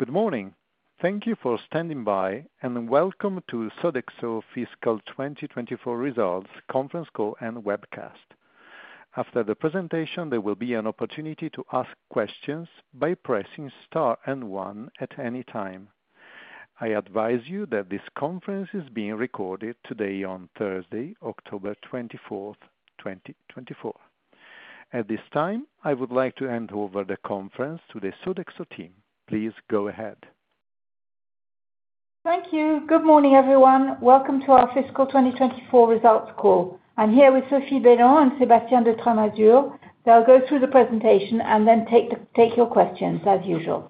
Good morning. Thank you for standing by, and welcome to Sodexo Fiscal 2024 Results conference call and webcast. After the presentation, there will be an opportunity to ask questions by pressing star and one at any time. I advise you that this conference is being recorded today on Thursday, October 24th 2024. At this time, I would like to hand over the conference to the Sodexo team. Please go ahead. Thank you. Good morning, everyone. Welcome to our fiscal 2024 results call. I'm here with Sophie Bellon and Sébastien de Tramasure. They'll go through the presentation and then take your questions, as usual.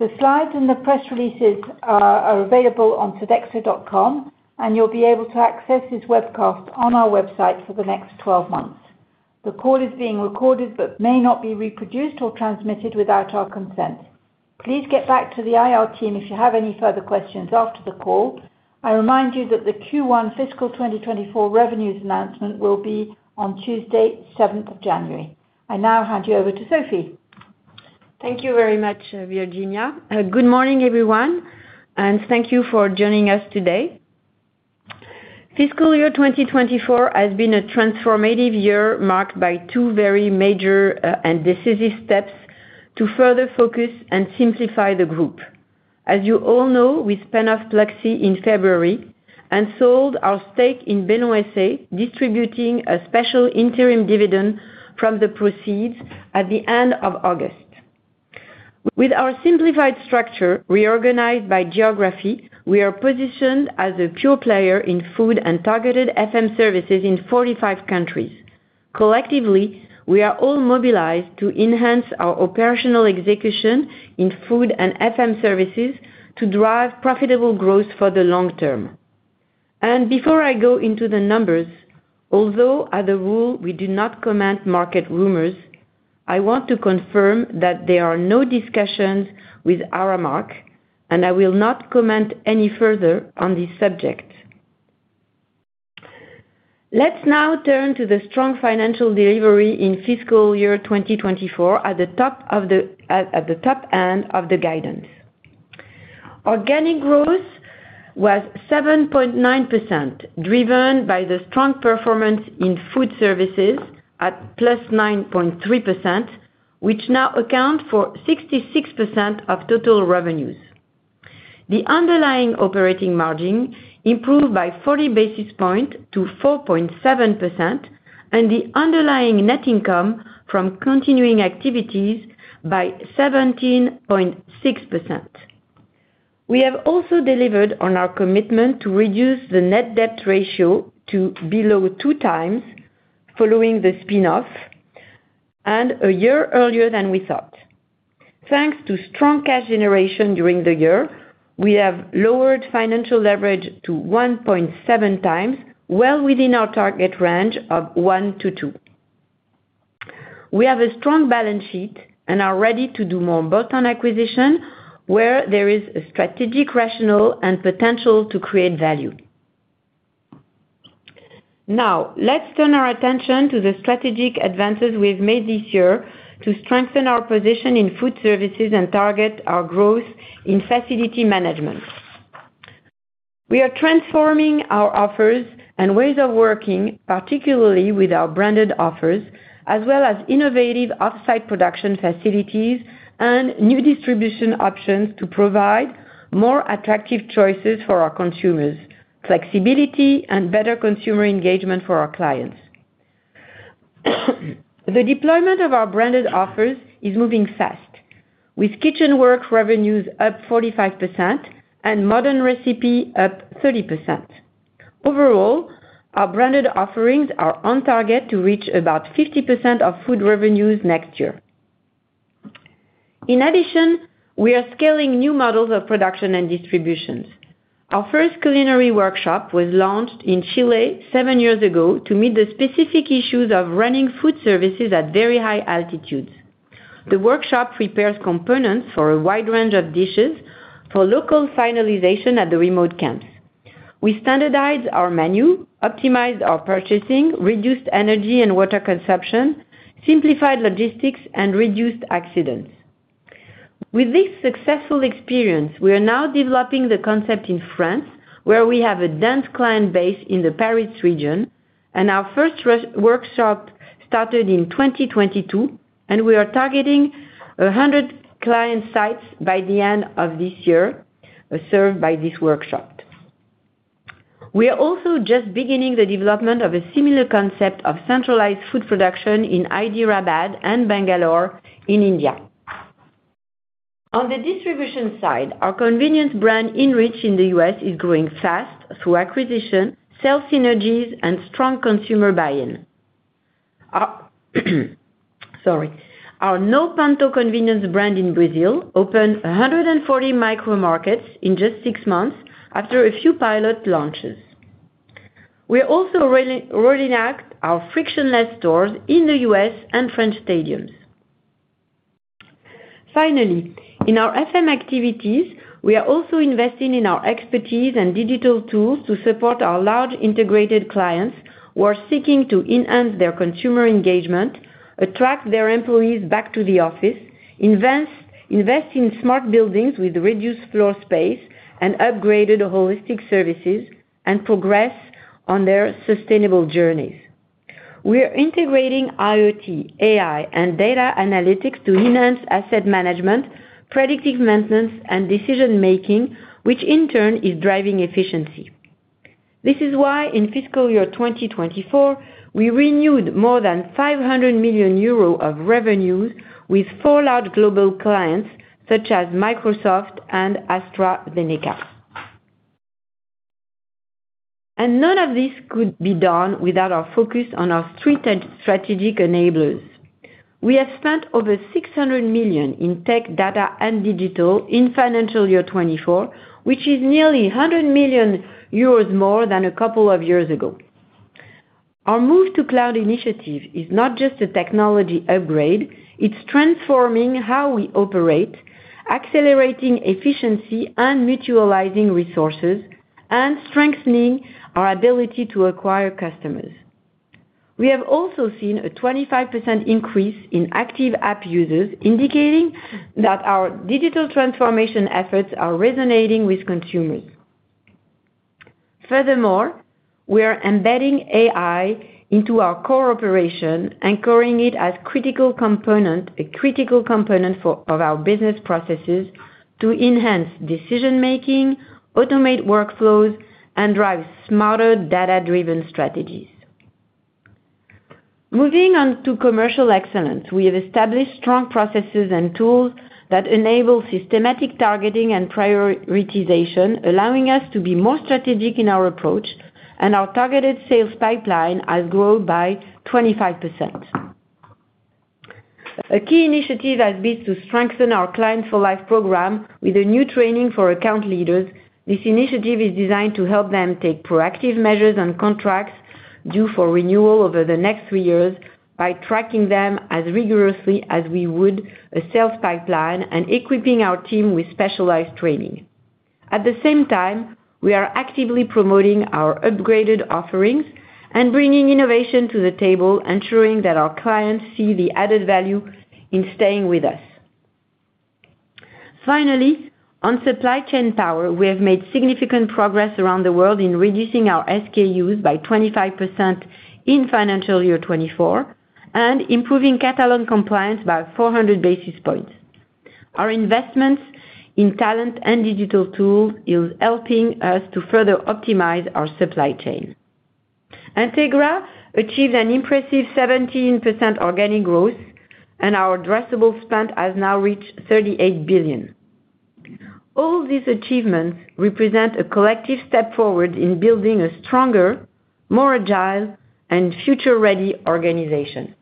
The slides and the press releases are available on sodexo.com, and you'll be able to access this webcast on our website for the next twelve months. The call is being recorded, but may not be reproduced or transmitted without our consent. Please get back to the IR team if you have any further questions after the call. I remind you that the Q1 fiscal 2024 revenues announcement will be on Tuesday, seventh of January. I now hand you over to Sophie. Thank you very much, Virginia. Good morning, everyone, and thank you for joining us today. Fiscal year 2024 has been a transformative year, marked by two very major, and decisive steps to further focus and simplify the group. As you all know, we spun off Pluxee in February and sold our stake in Sofinsod, distributing a special interim dividend from the proceeds at the end of August. With our simplified structure, reorganized by geography, we are positioned as a pure player in food and targeted FM services in forty-five countries. Collectively, we are all mobilized to enhance our operational execution in food and FM services to drive profitable growth for the long term. Before I go into the numbers, although as a rule, we do not comment market rumors, I want to confirm that there are no discussions with Aramark, and I will not comment any further on this subject. Let's now turn to the strong financial delivery in fiscal year 2024 at the top end of the guidance. Organic growth was 7.9%, driven by the strong performance in food services at +9.3%, which now account for 66% of total revenues. The underlying operating margin improved by 40 basis points to 4.7% and the underlying net income from continuing activities by 17.6%. We have also delivered on our commitment to reduce the net debt ratio to below 2 times following the spin-off and a year earlier than we thought. Thanks to strong cash generation during the year, we have lowered financial leverage to 1.7 times, well within our target range of 1-2. We have a strong balance sheet and are ready to do more bolt-on acquisitions where there is a strategic rationale and potential to create value. Now, let's turn our attention to the strategic advances we've made this year to strengthen our position in food services and target our growth in facility management. We are transforming our offers and ways of working, particularly with our branded offers, as well as innovative off-site production facilities and new distribution options to provide more attractive choices for our consumers, flexibility and better consumer engagement for our clients. The deployment of our branded offers is moving fast, with Kitchen Works revenues up 45% and Modern Recipe up 30%. Overall, our branded offerings are on target to reach about 50% of food revenues next year. In addition, we are scaling new models of production and distributions. Our first culinary workshop was launched in Chile seven years ago to meet the specific issues of running food services at very high altitudes. The workshop prepares components for a wide range of dishes for local finalization at the remote camps. We standardized our menu, optimized our purchasing, reduced energy and water consumption, simplified logistics, and reduced accidents. With this successful experience, we are now developing the concept in France, where we have a dense client base in the Paris region, and our first workshop started in 2022, and we are targeting 100 client sites by the end of this year, served by this workshop. We are also just beginning the development of a similar concept of centralized food production in Hyderabad and Bangalore, in India. On the distribution side, our convenience brand, InReach, in the U.S., is growing fast through acquisition, self-synergies, and strong consumer buy-in. Our Noponto convenience brand in Brazil opened 140 micro markets in just six months after a few pilot launches. We are also rolling out our frictionless stores in the U.S. and French stadiums. Finally, in our FM activities, we are also investing in our expertise and digital tools to support our large integrated clients who are seeking to enhance their consumer engagement, attract their employees back to the office, invest in smart buildings with reduced floor space and upgraded holistic services, and progress on their sustainable journeys. We are integrating IoT, AI, and data analytics to enhance asset management, predictive maintenance, and decision-making, which in turn is driving efficiency. This is why, in fiscal year 2024, we renewed more than 500 million euros of revenues with four large global clients, such as Microsoft and AstraZeneca. And none of this could be done without our focus on our three tech strategic enablers. We have spent over 600 million in tech, data, and digital in financial year 2024, which is nearly 100 million euros more than a couple of years ago. Our move to cloud initiative is not just a technology upgrade, it's transforming how we operate, accelerating efficiency and mutualizing resources, and strengthening our ability to acquire customers. We have also seen a 25% increase in active app users, indicating that our digital transformation efforts are resonating with consumers. Furthermore, we are embedding AI into our core operation, anchoring it as a critical component of our business processes to enhance decision-making, automate workflows, and drive smarter, data-driven strategies. Moving on to commercial excellence. We have established strong processes and tools that enable systematic targeting and prioritization, allowing us to be more strategic in our approach, and our targeted sales pipeline has grown by 25%. A key initiative has been to strengthen our Clients for Life program with a new training for account leaders. This initiative is designed to help them take proactive measures on contracts due for renewal over the next three years, by tracking them as rigorously as we would a sales pipeline and equipping our team with specialized training. At the same time, we are actively promoting our upgraded offerings and bringing innovation to the table, ensuring that our clients see the added value in staying with us. Finally, on supply chain power, we have made significant progress around the world in reducing our SKUs by 25% in financial year 2024, and improving catalog compliance by 400 basis points. Our investments in talent and digital tools is helping us to further optimize our supply chain. Entegra achieved an impressive 17% organic growth, and our addressable spend has now reached 38 billion. All these achievements represent a collective step forward in building a stronger, more agile, and future-ready organization.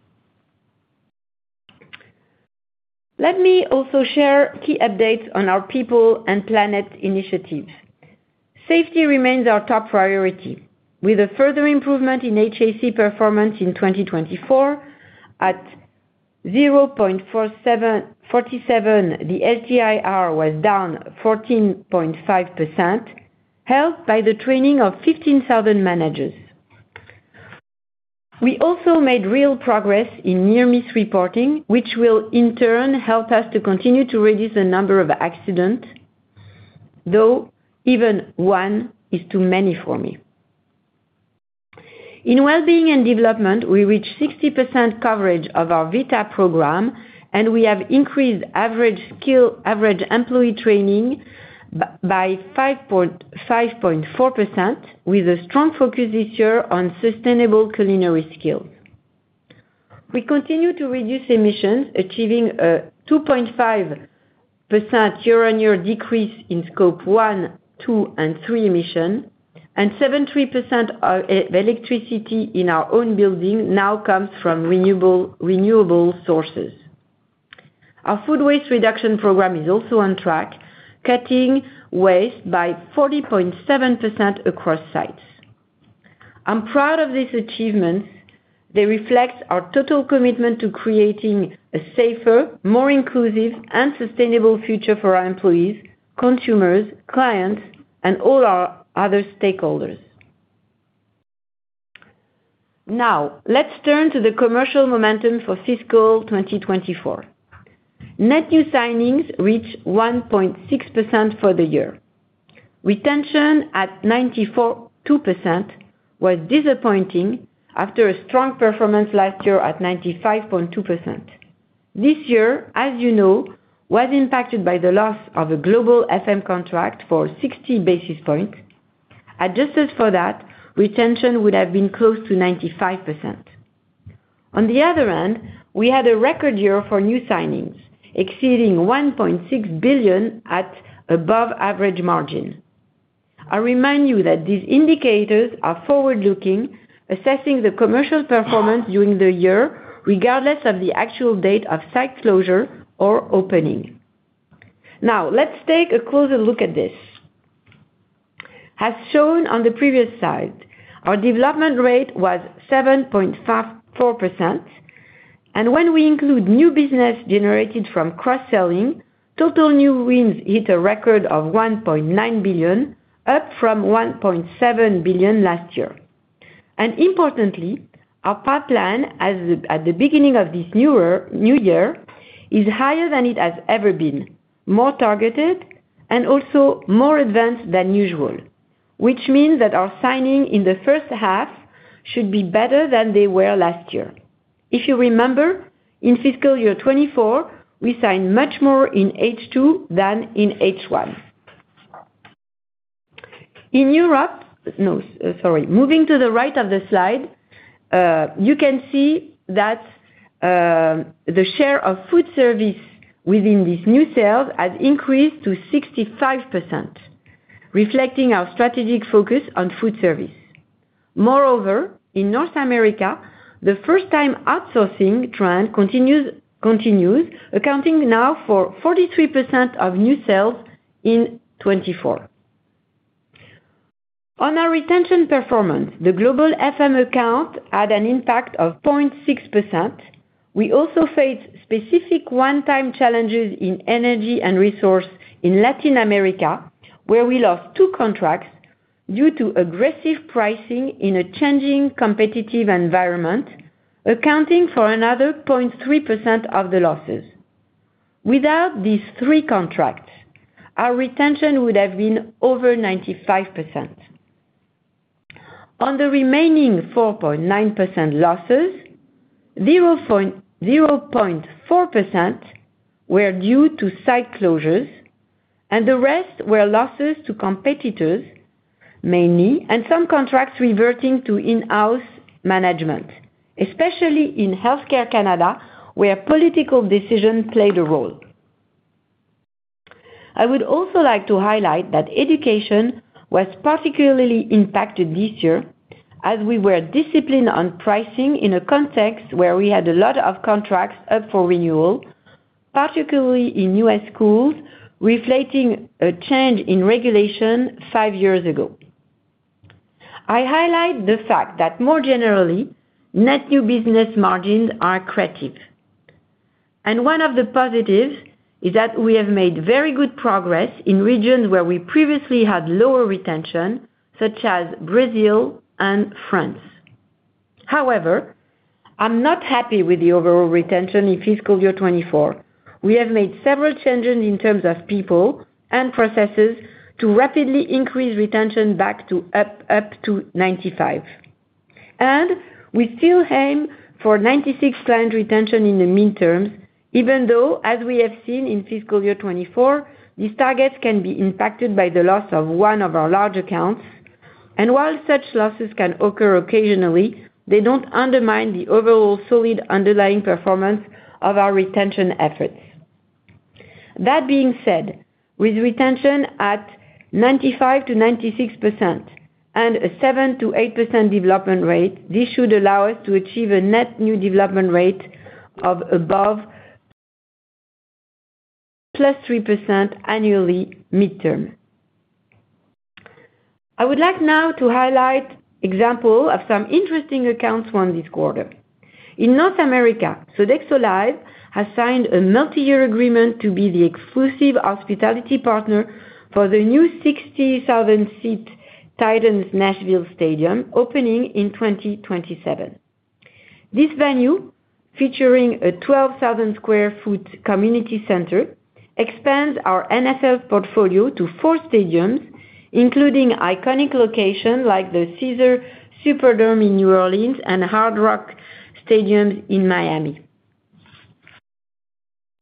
Let me also share key updates on our people and planet initiatives. Safety remains our top priority, with a further improvement in HSE performance in 2024. At 0.47, the LTIR was down 14.5%, helped by the training of 15,000 managers. We also made real progress in near-miss reporting, which will, in turn, help us to continue to reduce the number of accidents, though even one is too many for me. In well-being and development, we reached 60% coverage of our VITA program, and we have increased average skill, average employee training by 5.4%, with a strong focus this year on sustainable culinary skills. We continue to reduce emissions, achieving a 2.5% year-on-year decrease in Scope 1, 2, and 3 emissions, and 73% of electricity in our own building now comes from renewable sources. Our food waste reduction program is also on track, cutting waste by 40.7% across sites. I'm proud of this achievement. They reflect our total commitment to creating a safer, more inclusive and sustainable future for our employees, consumers, clients, and all our other stakeholders. Now, let's turn to the commercial momentum for fiscal 2024. Net new signings reached 1.6% for the year. Retention at 94.2% was disappointing after a strong performance last year at 95.2%. This year, as you know, was impacted by the loss of a global FM contract for sixty basis points. Adjusted for that, retention would have been close to 95%. On the other hand, we had a record year for new signings, exceeding 1.6 billion at above average margin. I remind you that these indicators are forward-looking, assessing the commercial performance during the year, regardless of the actual date of site closure or opening. Now, let's take a closer look at this. As shown on the previous slide, our development rate was 7.54% and when we include new business generated from cross-selling, total new wins hit a record of 1.9 billion, up from 1.7 billion last year. And importantly, our pipeline as at the beginning of this new year is higher than it has ever been, more targeted, and also more advanced than usual, which means that our signing in the first half should be better than they were last year. If you remember, in fiscal year 2024, we signed much more in H2 than in H1. In Europe-- no, sorry. Moving to the right of the slide, you can see that the share of food service within these new sales has increased to 65%, reflecting our strategic focus on food service. Moreover, in North America, the first time outsourcing trend continues, accounting now for 43% of new sales in 2024. On our retention performance, the global FM account had an impact of 0.6%. We also faced specific one-time challenges in Energy & Resources in Latin America, where we lost two contracts due to aggressive pricing in a changing competitive environment, accounting for another 0.3% of the losses. Without these three contracts, our retention would have been over 95%. On the remaining 4.9% losses, 0.04% were due to site closures, and the rest were losses to competitors, mainly, and some contracts reverting to in-house management, especially in Healthcare Canada, where political decisions played a role. I would also like to highlight that Education was particularly impacted this year, as we were disciplined on pricing in a context where we had a lot of contracts up for renewal, particularly in U.S. schools, reflecting a change in regulation five years ago. I highlight the fact that more generally, net new business margins are creative, and one of the positives is that we have made very good progress in regions where we previously had lower retention, such as Brazil and France. However, I'm not happy with the overall retention in fiscal year 2024. We have made several changes in terms of people and processes to rapidly increase retention back up to 95%, and we still aim for 96% client retention in the midterm, even though, as we have seen in fiscal year 2024, these targets can be impacted by the loss of one of our large accounts. While such losses can occur occasionally, they don't undermine the overall solid underlying performance of our retention efforts. That being said, with retention at 95%-96% and a 7%-8% development rate, this should allow us to achieve a net new development rate of above plus 3% annually midterm. I would like now to highlight example of some interesting accounts won this quarter. In North America, Sodexo Live! has signed a multiyear agreement to be the exclusive hospitality partner for the new 60,000-seat Titans' Nashville stadium, opening in 2027. This venue, featuring a 12,000 sq ft community center, expands our NFL portfolio to four stadiums, including iconic locations like the Caesars Superdome in New Orleans and Hard Rock Stadium in Miami.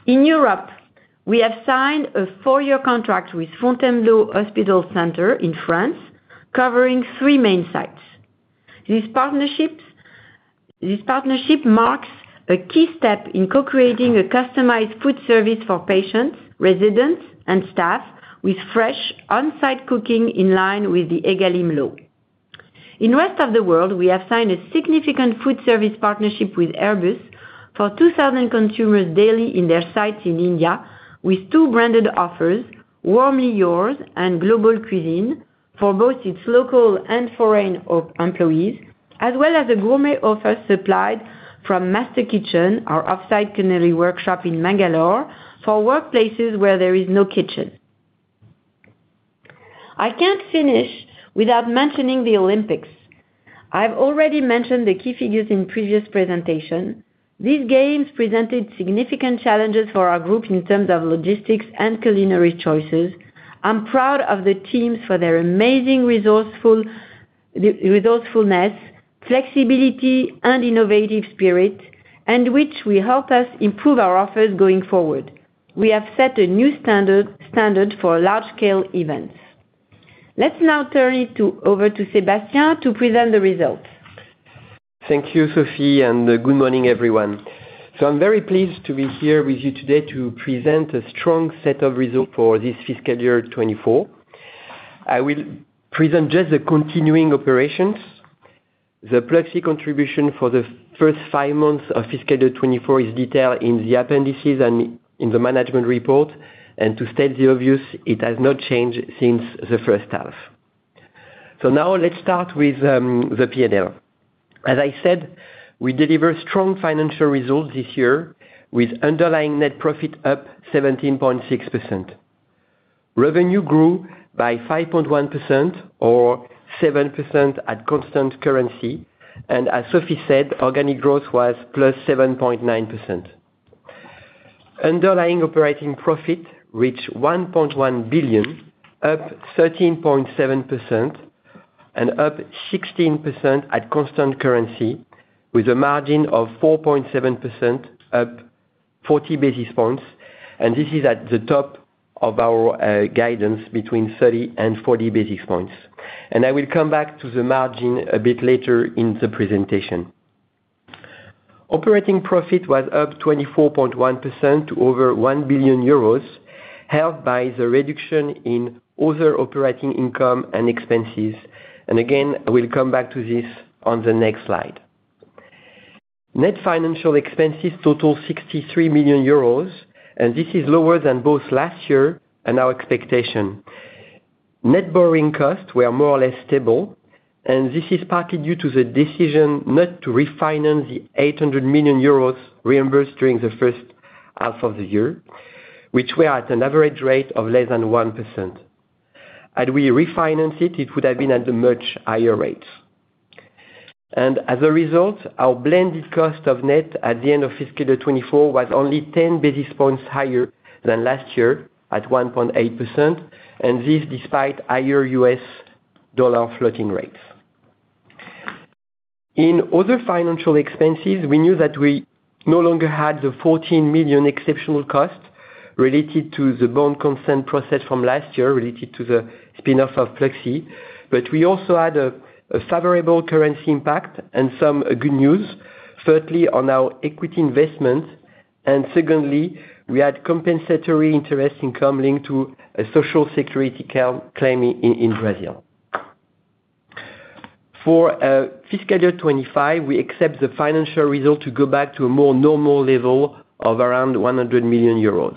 In Europe, we have signed a four-year contract with Fontainebleau Hospital Center in France, covering three main sites. This partnership marks a key step in co-creating a customized food service for patients, residents, and staff with fresh on-site cooking, in line with the Egalim Law. In the Rest of the World, we have signed a significant food service partnership with Airbus for 2,000 consumers daily in their sites in India, with two branded offers, Warmly Yours and Global Cuisine, for both its local and foreign employees, as well as a gourmet offer supplied from Master Kitchen, our offsite culinary workshop in Bangalore, for workplaces where there is no kitchen. I can't finish without mentioning the Olympics. I've already mentioned the key figures in previous presentation. These games presented significant challenges for our group in terms of logistics and culinary choices. I'm proud of the teams for their amazing resourcefulness, flexibility and innovative spirit, and which will help us improve our offers going forward. We have set a new standard for large-scale events. Let's now turn over to Sébastien to present the results. Thank you, Sophie, and good morning, everyone. I'm very pleased to be here with you today to present a strong set of results for this fiscal year 2024. I will present just the continuing operations. The Pluxee contribution for the first five months of fiscal year 2024 is detailed in the appendices and in the management report. To state the obvious, it has not changed since the first half. Now let's start with the P&L. As I said, we delivered strong financial results this year, with underlying net profit up 17.6%. Revenue grew by 5.1%, or 7% at constant currency, and as Sophie said, organic growth was plus 7.9%. Underlying operating profit reached 1.1 billion, up 13.7%, and up 16% at constant currency, with a margin of 4.7%, up 40 basis points, and this is at the top of our guidance between 30 and 40 basis points, and I will come back to the margin a bit later in the presentation. Operating profit was up 24.1% to over 1 billion euros, helped by the reduction in other operating income and expenses, and again, I will come back to this on the Sodexo Live!. Net financial expenses total 63 million euros, and this is lower than both last year and our expectation. Net borrowing costs were more or less stable, and this is partly due to the decision not to refinance the 800 million euros reimbursed during the first half of the year, which were at an average rate of less than 1%. Had we refinanced it, it would have been at a much higher rate, and as a result, our blended cost of net at the end of fiscal year 2024 was only ten basis points higher than last year, at 1.8%, and this despite higher U.S. dollar floating rates. In other financial expenses, we knew that we no longer had the 14 million exceptional cost related to the bond consent process from last year, related to the spin-off of Pluxee. But we also had a favorable currency impact and some good news, thirdly on our equity investment, and secondly, we had compensatory interest income linked to a Social Security claim in Brazil. For fiscal year 2025, we expect the financial result to go back to a more normal level of around 100 million euros.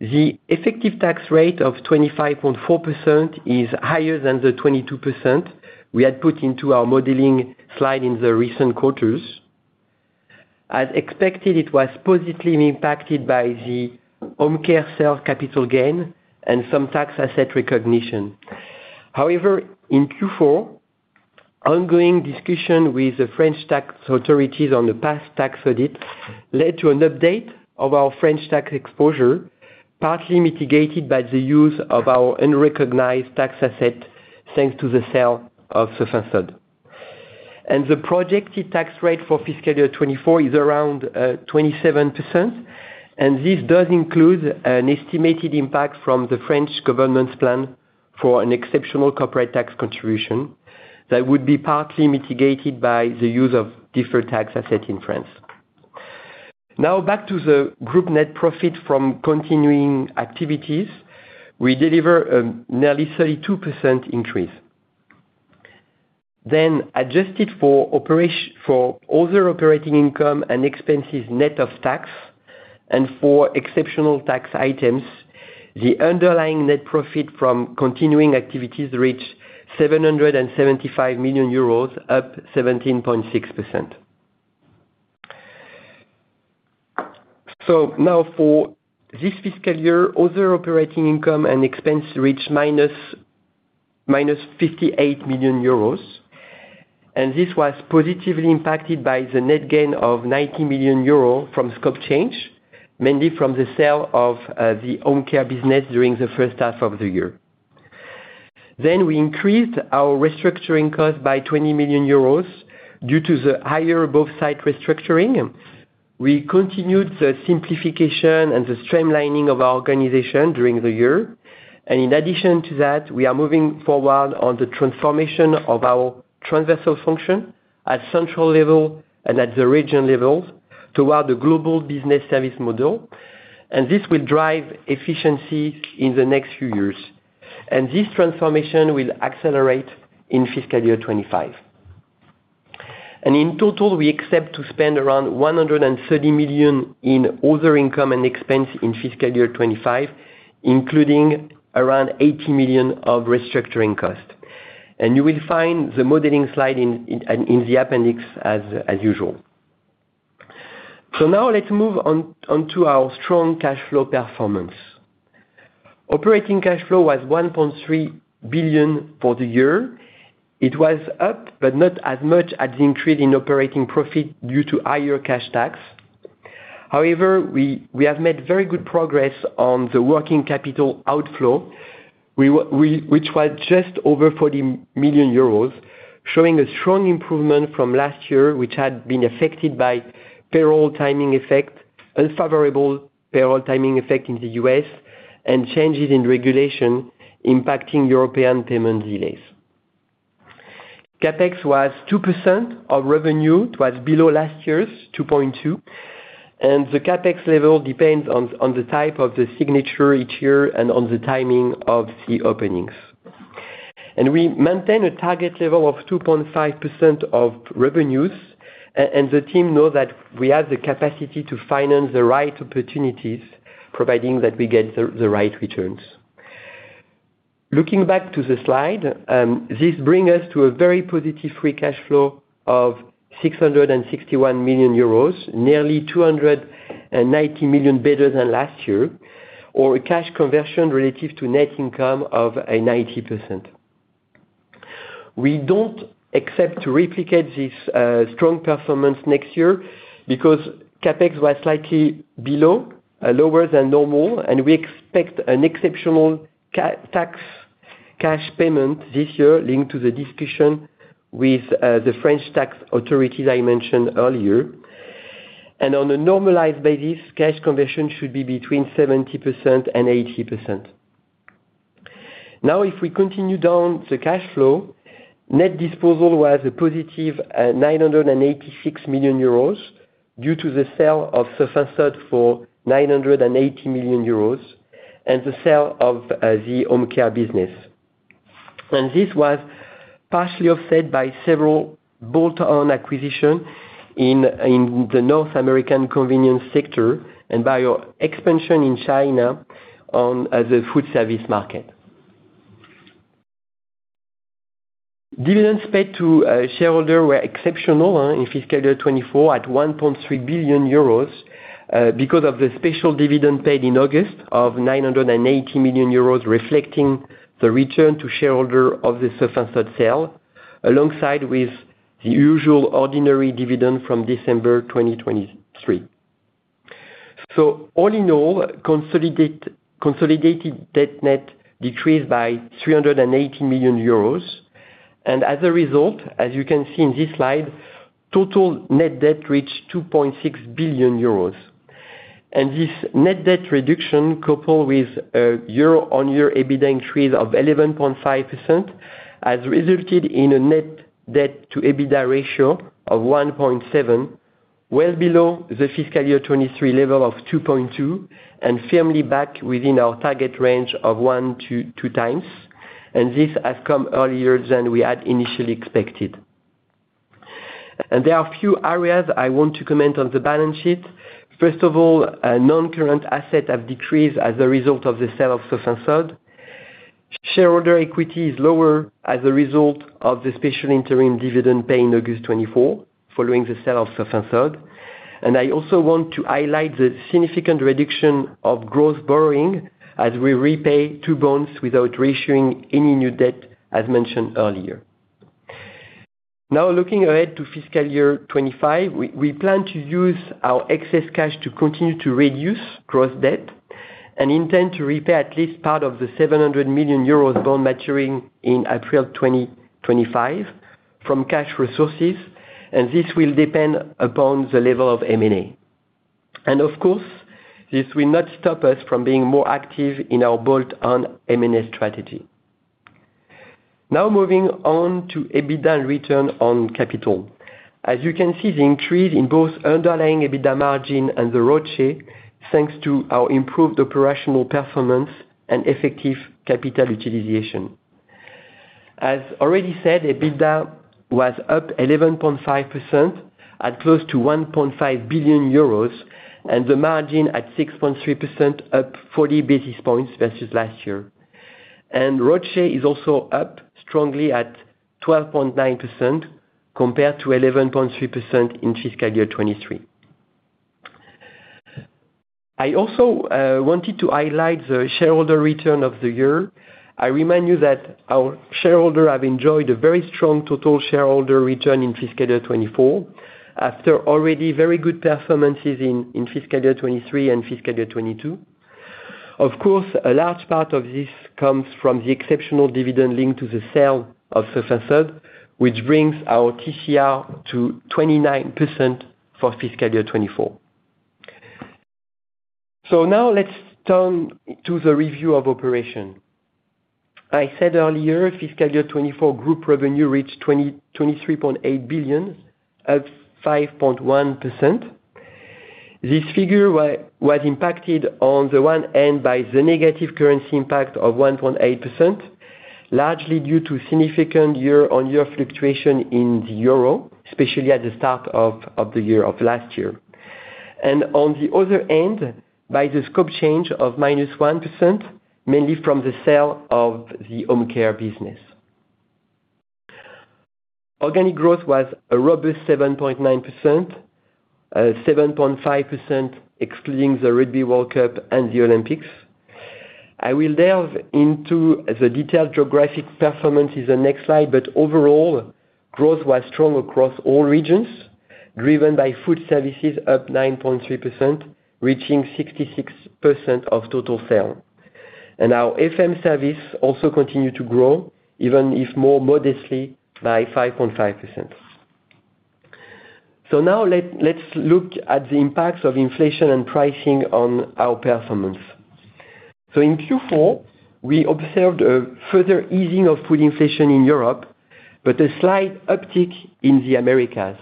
The effective tax rate of 25.4% is higher than the 22% we had put into our modeling slide in the recent quarters. As expected, it was positively impacted by the Home Care sales capital gain and some tax asset recognition. However, in Q4, ongoing discussion with the French tax authorities on the past tax audit led to an update of our French tax exposure, partly mitigated by the use of our unrecognized tax asset, thanks to the sale of Sofinsod. The projected tax rate for fiscal year 2024 is around 27%, and this does include an estimated impact from the French government's plan for an exceptional corporate tax contribution that would be partly mitigated by the use of deferred tax asset in France. Now, back to the group net profit from continuing activities. We deliver nearly 32% increase. Then adjusted for other operating income and expenses net of tax, and for exceptional tax items, the underlying net profit from continuing activities reached 775 million euros, up 17.6%. So now for this fiscal year, other operating income and expense reached minus 58 million euros, and this was positively impacted by the net gain of 90 million euros from scope change, mainly from the sale of the Home Care business during the first half of the year. Then we increased our restructuring cost by 20 million euros due to the higher above-site restructuring. We continued the simplification and the streamlining of our organization during the year, and in addition to that, we are moving forward on the transformation of our transversal function at central level and at the region levels, toward the global business services model, and this will drive efficiency in the next few years. This transformation will accelerate in fiscal year 2025. In total, we expect to spend around 130 million in other income and expense in fiscal year 2025, including around 80 million of restructuring costs. You will find the modeling slide in the appendix as usual. Now let's move on to our strong cash flow performance. Operating cash flow was 1.3 billion for the year. It was up, but not as much as the increase in operating profit due to higher cash tax. However, we have made very good progress on the working capital outflow, which was just over 40 million euros, showing a strong improvement from last year, which had been affected by unfavorable payroll timing effect in the U.S., and changes in regulation impacting European payment delays. CapEx was 2% of revenue; it was below last year's 2.2, and the CapEx level depends on the type of the signature each year and on the timing of the openings. We maintain a target level of 2.5% of revenues, and the team know that we have the capacity to finance the right opportunities, providing that we get the right returns. Looking back to the slide, this brings us to a very positive free cash flow of 661 million euros, nearly 290 million better than last year, or a cash conversion relative to net income of 90%. We don't expect to replicate this strong performance next year because CapEx was slightly below, lower than normal, and we expect an exceptional tax cash payment this year linked to the discussion with the French tax authorities I mentioned earlier. On a normalized basis, cash conversion should be between 70% and 80%. Now, if we continue down the cash flow, net disposal was a positive 986 million euros due to the sale of Sofinsod for 980 million euros and the sale of the Home Care business. This was partially offset by several bolt-on acquisitions in the North American convenience sector and by our expansion in China on the food service market. Dividends paid to shareholder were exceptional in fiscal year 2024, at 1.3 billion euros, because of the special dividend paid in August of 980 million euros, reflecting the return to shareholder of the Sofinsod sale, alongside with the usual ordinary dividend from December 2023. All in all, consolidated net debt decreased by 380 million euros. As a result, as you can see in this slide, total net debt reached 2.6 billion euros. This net debt reduction, coupled with a year-on-year EBITDA increase of 11.5%, has resulted in a net debt to EBITDA ratio of 1.7, well below the fiscal year 2023 level of 2.2, and firmly back within our target range of 1-2 times, and this has come earlier than we had initially expected. There are a few areas I want to comment on the balance sheet. First of all, non-current assets have decreased as a result of the sale of Sofinsod. Shareholder equity is lower as a result of the special interim dividend paid in August 2024, following the sale of Sofinsod. I also want to highlight the significant reduction of gross borrowing as we repay two bonds without reissuing any new debt, as mentioned earlier. Now, looking ahead to fiscal year 2025, we plan to use our excess cash to continue to reduce gross debt and intend to repay at least part of the 700 million euros bond maturing in April 2025 from cash resources, and this will depend upon the level of M&A, and of course, this will not stop us from being more active in our bolt-on M&A strategy. Now moving on to EBITDA and return on capital. As you can see, the increase in both underlying EBITDA margin and the ROCE, thanks to our improved operational performance and effective capital utilization. As already said, EBITDA was up 11.5%, at close to 1.5 billion euros, and the margin at 6.3%, up 40 basis points versus last year. And ROCE is also up strongly at 12.9%, compared to 11.3% in fiscal year 2023. I also wanted to highlight the shareholder return of the year. I remind you that our shareholders have enjoyed a very strong total shareholder return in fiscal year 2024, after already very good performances in fiscal year 2023 and fiscal year 2022. Of course, a large part of this comes from the exceptional dividend linked to the sale of Sofinsod, which brings our TSR to 29% for fiscal year 2024. Now let's turn to the review of operations. I said earlier, fiscal year 2024 group revenue reached 22.3 billion, up 5.1%. This figure was impacted on the one hand by the negative currency impact of 1.8%, largely due to significant year-on-year fluctuation in the euro, especially at the start of the year of last year. On the other hand, by the scope change of minus 1%, mainly from the sale of the Home Care business. Organic growth was a robust 7.9%, 7.5% excluding the Rugby World Cup and the Olympics. I will delve into the detailed geographic performance in the next slide, but overall, growth was strong across all regions, driven by food services up 9.3%, reaching 66% of total sales. Our FM service also continued to grow, even if more modestly, by 5.5%. Now let's look at the impacts of inflation and pricing on our performance. So in Q4, we observed a further easing of food inflation in Europe, but a slight uptick in the Americas.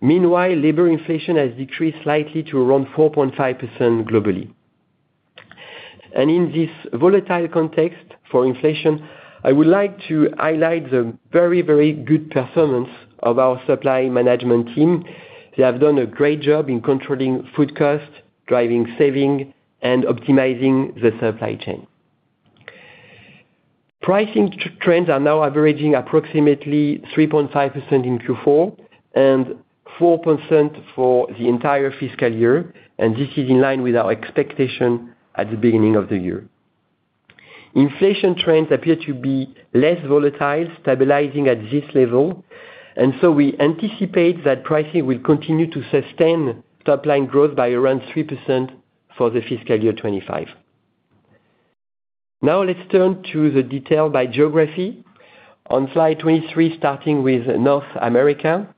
Meanwhile, labor inflation has decreased slightly to around 4.5% globally, and in this volatile context for inflation, I would like to highlight the very, very good performance of our supply management team. They have done a great job in controlling food costs, driving saving, and optimizing the supply chain. Pricing trends are now averaging approximately 3.5% in Q4, and 4% for the entire fiscal year, and this is in line with our expectation at the beginning of the year. Inflation trends appear to be less volatile, stabilizing at this level, and so we anticipate that pricing will continue to sustain top line growth by around 3% for the fiscal year 2025. Now, let's turn to the detail by geography. On slide 23, starting with North America.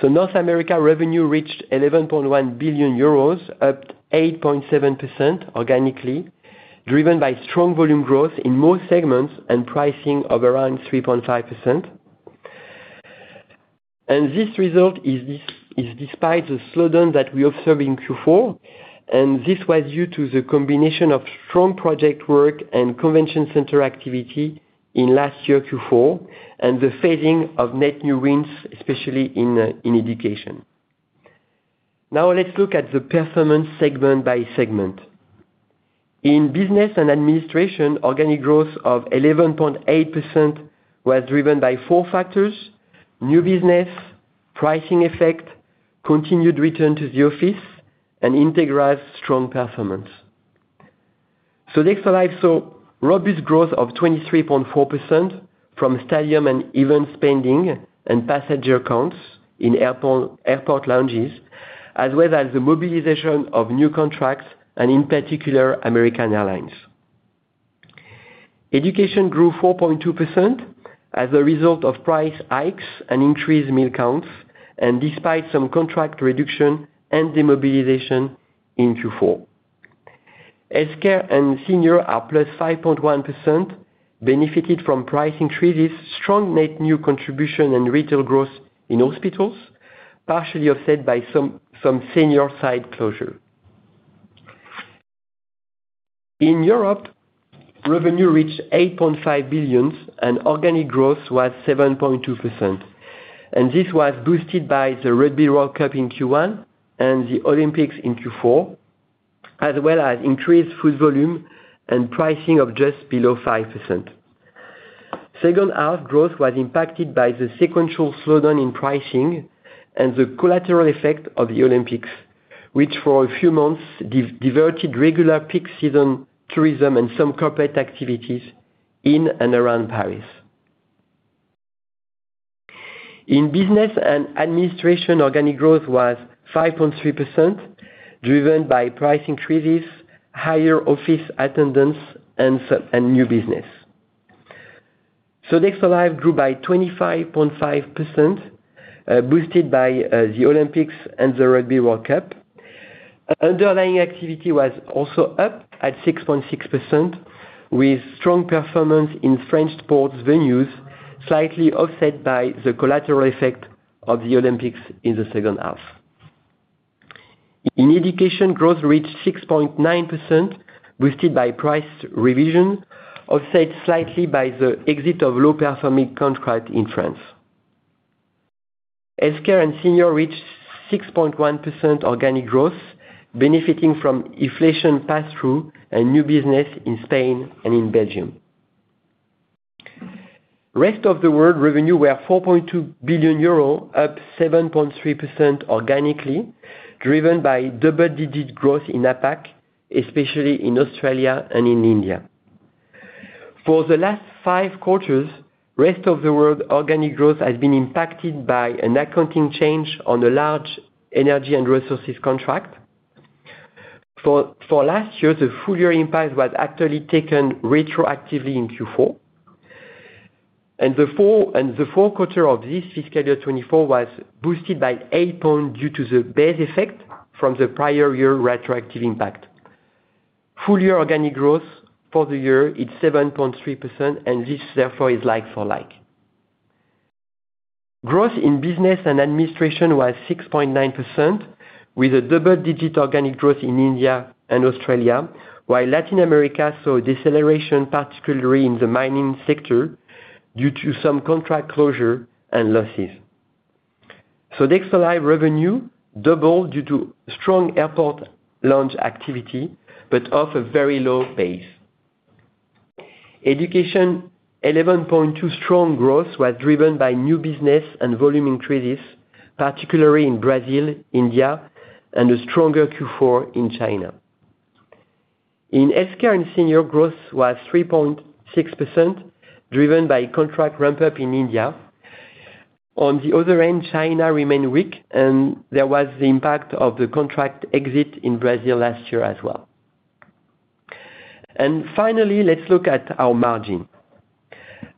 So North America revenue reached 11.1 billion euros, up 8.7% organically, driven by strong volume growth in most segments, and pricing of around 3.5%. And this result is despite the slowdown that we observed in Q4, and this was due to the combination of strong project work and convention center activity in last year, Q4, and the phasing of net new rents, especially in Education. Now, let's look at the performance segment by segment. In Business & Administrations, organic growth of 11.8% was driven by four factors: new business, pricing effect, continued return to the office, and Entegra's strong performance. Sodexo Live! saw robust growth of 23.4% from stadium and event spending, and passenger counts in airports, airport lounges, as well as the mobilization of new contracts and in particular, American Airlines. Education grew 4.2% as a result of price hikes and increased meal counts, and despite some contract reduction and demobilization in Q4. Healthcare & Seniors are +5.1%, benefited from price increases, strong net new contribution and retail growth in hospitals, partially offset by some senior site closure. In Europe, revenue reached 8.5 billion, and organic growth was 7.2%, and this was boosted by the Rugby World Cup in Q1 and the Olympics in Q4, as well as increased food volume and pricing of just below 5%. Second half growth was impacted by the sequential slowdown in pricing and the collateral effect of the Olympics, which for a few months, diverted regular peak season tourism and some corporate activities in and around Paris. In Business & Administrations, organic growth was 5.3%, driven by price increases, higher office attendance, and new business. Sodexo Live! grew by 25.5%, boosted by the Olympics and the Rugby World Cup. Underlying activity was also up at 6.6%, with strong performance in French sports venues, slightly offset by the collateral effect of the Olympics in the second half. In Education, growth reached 6.9%, boosted by price revision, offset slightly by the exit of low-performing contract in France. Healthcare & Seniors reached 6.1% organic growth, benefiting from inflation pass-through and new business in Spain and in Belgium. Rest of the World revenue were 4.2 billion euro, up 7.3% organically, driven by double-digit growth in APAC, especially in Australia and in India. For the last 5 quarters, Rest of the World organic growth has been impacted by an accounting change on a large Energy & Resources contract. For last year, the full year impact was actually taken retroactively in Q4. And the fourth quarter of this fiscal year 2024 was boosted by 8 points due to the base effect from the prior year retroactive impact. Full year organic growth for the year is 7.3%, and this, therefore, is like for like. Growth in Business & Administrations was 6.9%, with a double-digit organic growth in India and Australia, while Latin America saw a deceleration, particularly in the mining sector, due to some contract closure and losses. Sodexo Live! revenue doubled due to strong airport lounge activity, but off a very low base. Education, 11.2% strong growth was driven by new business and volume increases, particularly in Brazil, India, and a stronger Q4 in China. In Healthcare & Seniors, growth was 3.6%, driven by contract ramp-up in India. On the other end, China remained weak, and there was the impact of the contract exit in Brazil last year as well. Finally, let's look at our margin.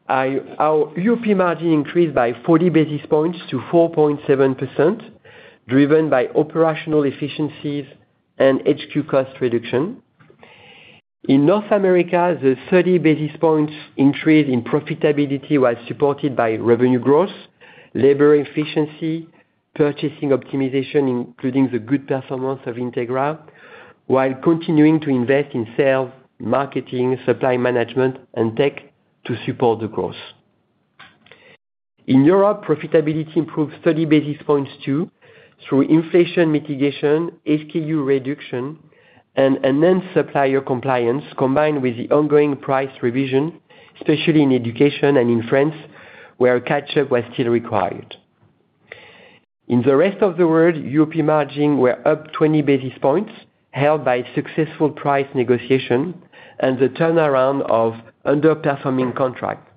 Our UP margin increased by 40 basis points to 4.7%, driven by operational efficiencies and HQ cost reduction. In North America, the 30 basis points increase in profitability was supported by revenue growth, labor efficiency, purchasing optimization, including the good performance of Entegra, while continuing to invest in sales, marketing, supply management, and tech to support the growth. In Europe, profitability improved 30 basis points too, through inflation mitigation, SKU reduction, and enhanced supplier compliance, combined with the ongoing price revision, especially in Education and in France, where catch-up was still required. In the Rest of the World, our margins were up 20 basis points, helped by successful price negotiation and the turnaround of underperforming contracts,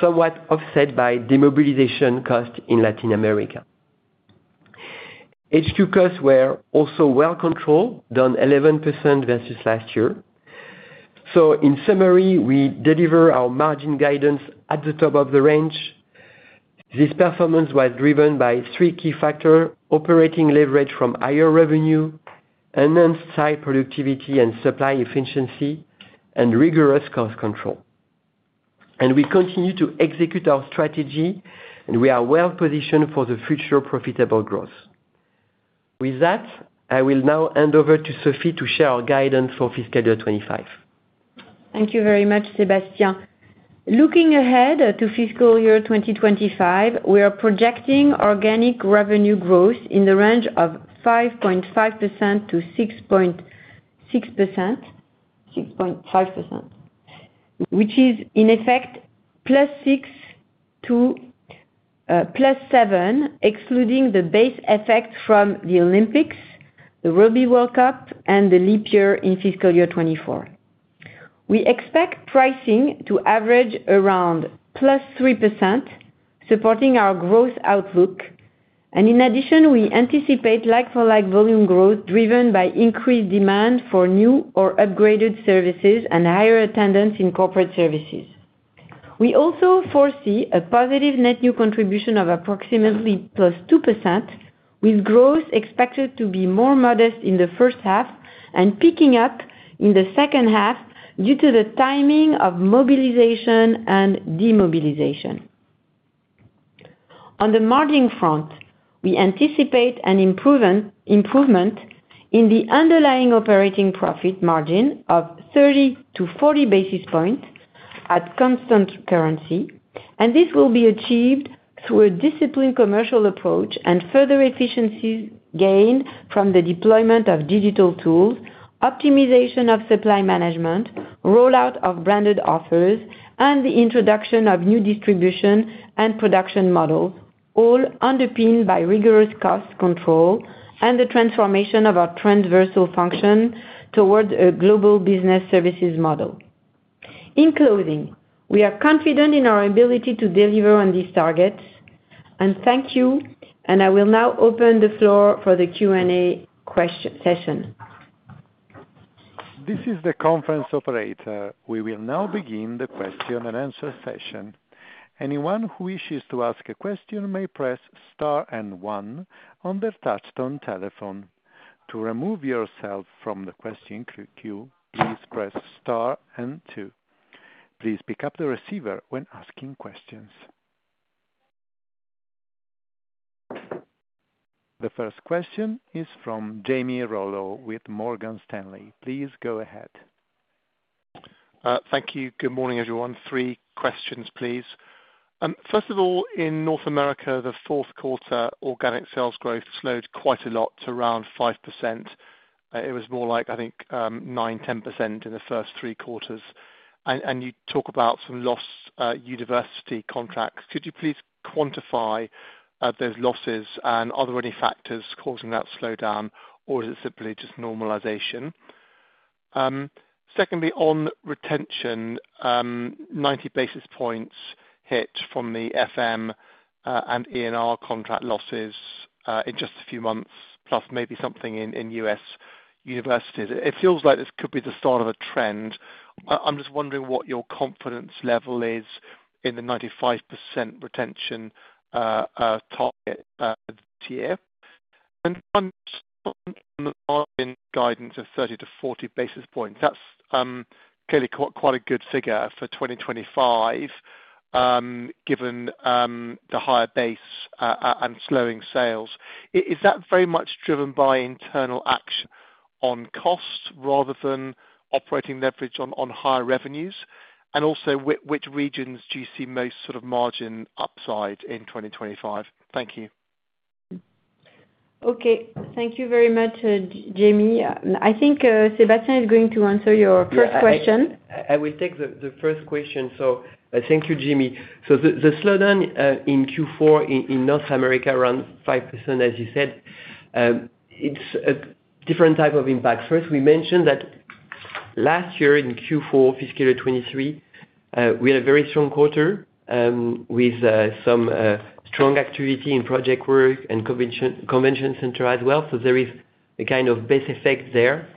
somewhat offset by demobilization costs in Latin America. H2 costs were also well controlled, down 11% versus last year. So in summary, we deliver our margin guidance at the top of the range. This performance was driven by three key factors: operating leverage from higher revenue, enhanced high productivity and supply efficiency, and rigorous cost control, and we continue to execute our strategy, and we are well positioned for the future profitable growth. With that, I will now hand over to Sophie to share our guidance for fiscal year 2025. Thank you very much, Sébastien. Looking ahead to fiscal year 2025, we are projecting organic revenue growth in the range of 5.5% to 6.6%, 6.5%, which is, in effect, plus 6% to plus 7%, excluding the base effect from the Olympics, the Rugby World Cup, and the leap year in fiscal year 2024. We expect pricing to average around plus 3%, supporting our growth outlook, and in addition, we anticipate like-for-like volume growth driven by increased demand for new or upgraded services and higher attendance in corporate services. We also foresee a positive net new contribution of approximately plus 2%, with growth expected to be more modest in the first half and picking up in the second half, due to the timing of mobilization and demobilization. On the margin front, we anticipate an improvement in the underlying operating profit margin of thirty to forty basis points at constant currency, and this will be achieved through a disciplined commercial approach and further efficiencies gained from the deployment of digital tools, optimization of supply management, rollout of branded offers, and the introduction of new distribution and production models, all underpinned by rigorous cost control and the transformation of our transversal function towards a global business services model. In closing, we are confident in our ability to deliver on these targets. Thank you, and I will now open the floor for the Q&A session. This is the conference operator. We will now begin the question and answer session. Anyone who wishes to ask a question may press star and one on their touchtone telephone. To remove yourself from the question queue, please press star and two. Please pick up the receiver when asking questions. The first question is from Jamie Rollo with Morgan Stanley. Please go ahead. Thank you. Good morning, everyone. Three questions, please. First of all, in North America, the fourth quarter organic sales growth slowed quite a lot to around 5%. It was more like, I think, 9-10% in the first three quarters, and you talk about some lost university contracts. Could you please quantify those losses? And are there any factors causing that slowdown, or is it simply just normalization? Secondly, on retention, ninety basis points hit from the FM and ENR contract losses in just a few months, plus maybe something in U.S. universities. It feels like this could be the start of a trend. I'm just wondering what your confidence level is in the 95% retention target this year. And on the margin guidance of 30-40 basis points, that's clearly quite a good figure for 2025, given the higher base and slowing sales. Is that very much driven by internal action on cost rather than operating leverage on higher revenues? And also, which regions do you see most sort of margin upside in 2025? Thank you. Okay, thank you very much, Jamie. I think, Sébastien is going to answer your first question. Yeah, I will take the first question. So thank you, Jamie. So the slowdown in Q4 in North America, around 5%, as you said, it's a different type of impact. First, we mentioned that last year, in Q4, fiscal year 2023, we had a very strong quarter, with some strong activity in project work and convention center as well. So there is a kind of base effect there.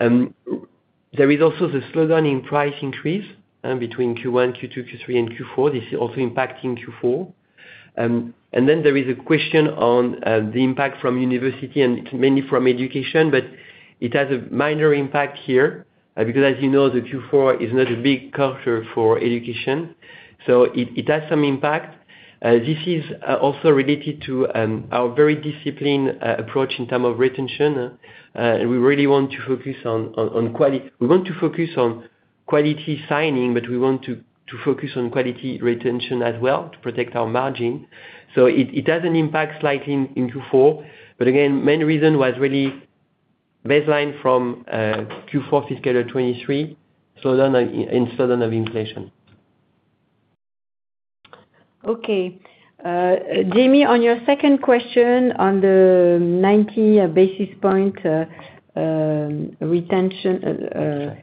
There is also the slowdown in price increase between Q1, Q2, Q3, and Q4. This is also impacting Q4. And then there is a question on the impact from university, and mainly from Education, but it has a minor impact here, because as you know, the Q4 is not a big quarter for Education, so it has some impact. This is also related to our very disciplined approach in terms of retention. We really want to focus on quality signing, but we want to focus on quality retention as well, to protect our margin. It has an impact slightly in Q4, but again, main reason was really baseline from Q4 fiscal 2023, slowdown, and slowdown of inflation. Okay. Jamie, on your second question, on the 90 basis point retention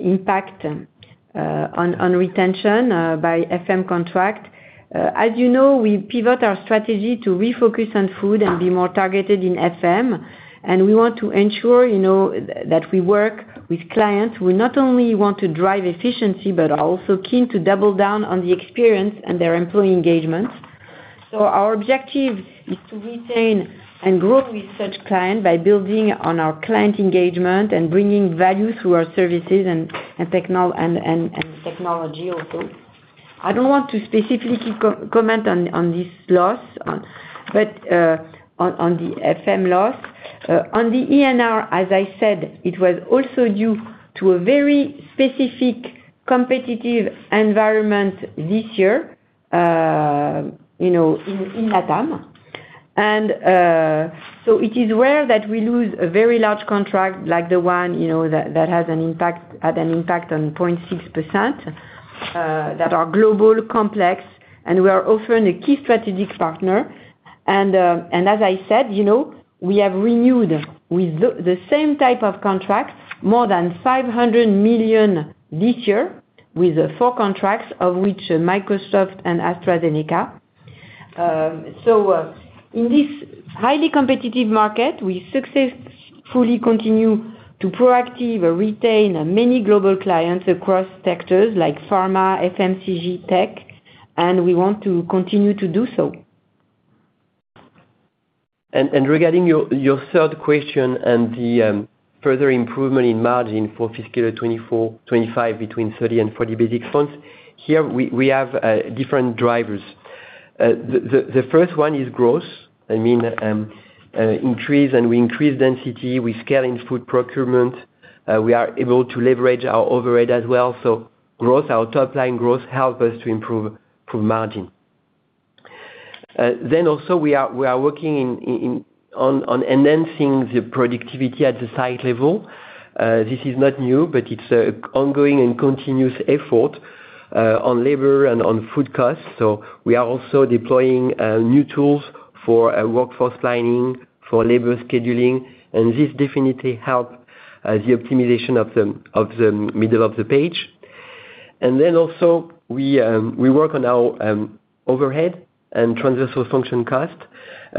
impact on retention by FM contract. As you know, we pivot our strategy to refocus on food and be more targeted in FM. And we want to ensure, you know, that we work with clients who not only want to drive efficiency, but are also keen to double down on the experience and their employee engagement. So our objective is to retain and grow with such client, by building on our client engagement and bringing value through our services and technology also. I don't want to specifically comment on this loss, but on the FM loss. On the ENR, as I said, it was also due to a very specific competitive environment this year, you know, in LATAM. It is rare that we lose a very large contract like the one, you know, that had an impact on 0.6%, that are global, complex, and we are often a key strategic partner. As I said, you know, we have renewed with the same type of contracts, more than 500 million this year, with four contracts, of which Microsoft and AstraZeneca. In this highly competitive market, we successfully continue to proactive and retain many global clients across sectors like pharma, FMCG, tech, and we want to continue to do so. Regarding your third question and the further improvement in margin for fiscal 2024, 2025, between 30 and 40 basis points, here we have different drivers. The first one is growth. I mean, increase, and we increase density, we scale in food procurement, we are able to leverage our overhead as well. So growth, our top line growth help us to improve margin. Then also we are working on enhancing the productivity at the site level. This is not new, but it's an ongoing and continuous effort on labor and on food costs. So we are also deploying new tools for workforce planning, for labor scheduling, and this definitely help the optimization of the model. And then also we work on our overhead and transversal function cost.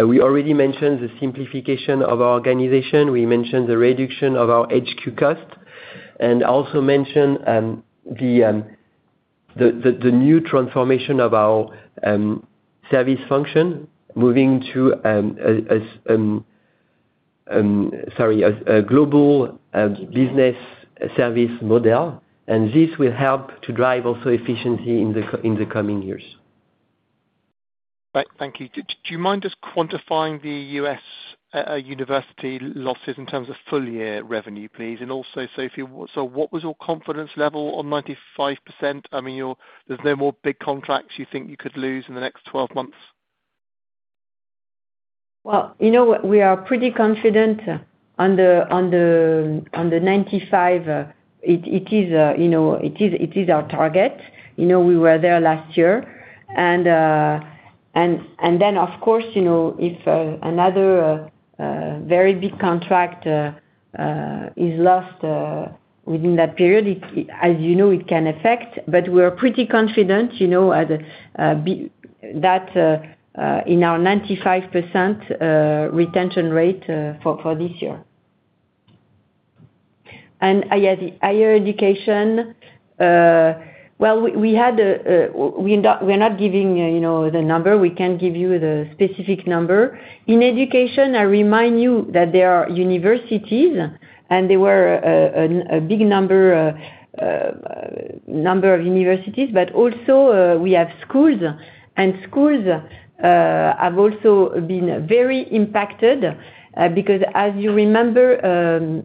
We already mentioned the simplification of our organization. We mentioned the reduction of our HQ costs, and also mentioned the new transformation of our service function, moving to a global business service model, and this will help to drive also efficiency in the coming years. Right, thank you. Do you mind just quantifying the US university losses in terms of full year revenue, please? And also, Sophie, so what was your confidence level on 95%? I mean, your, there's no more big contracts you think you could lose in the next twelve months? Well, you know what? We are pretty confident on the 95%. It is our target. You know, it is our target. You know, we were there last year. And then, of course, you know, if another very big contract is lost within that period, as you know, it can affect. But we are pretty confident that in our 95% retention rate for this year. And yeah, the higher Education, well, we're not giving the number, you know, we can't give you the specific number. In Education, I remind you that there are universities, and there were a big number of universities, but also we have schools. And schools have also been very impacted because as you remember,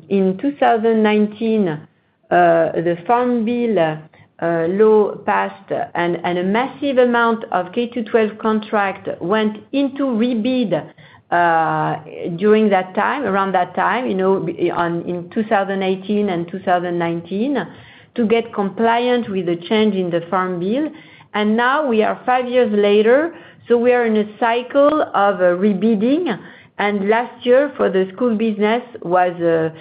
in 2019 the Farm Bill law passed, and a massive amount of K-12 contract went into rebid during that time, around that time, you know, in 2018 and 2019, to get compliant with the change in the Farm Bill. And now we are five years later, so we are in a cycle of re-bidding. And last year, for the school business, was a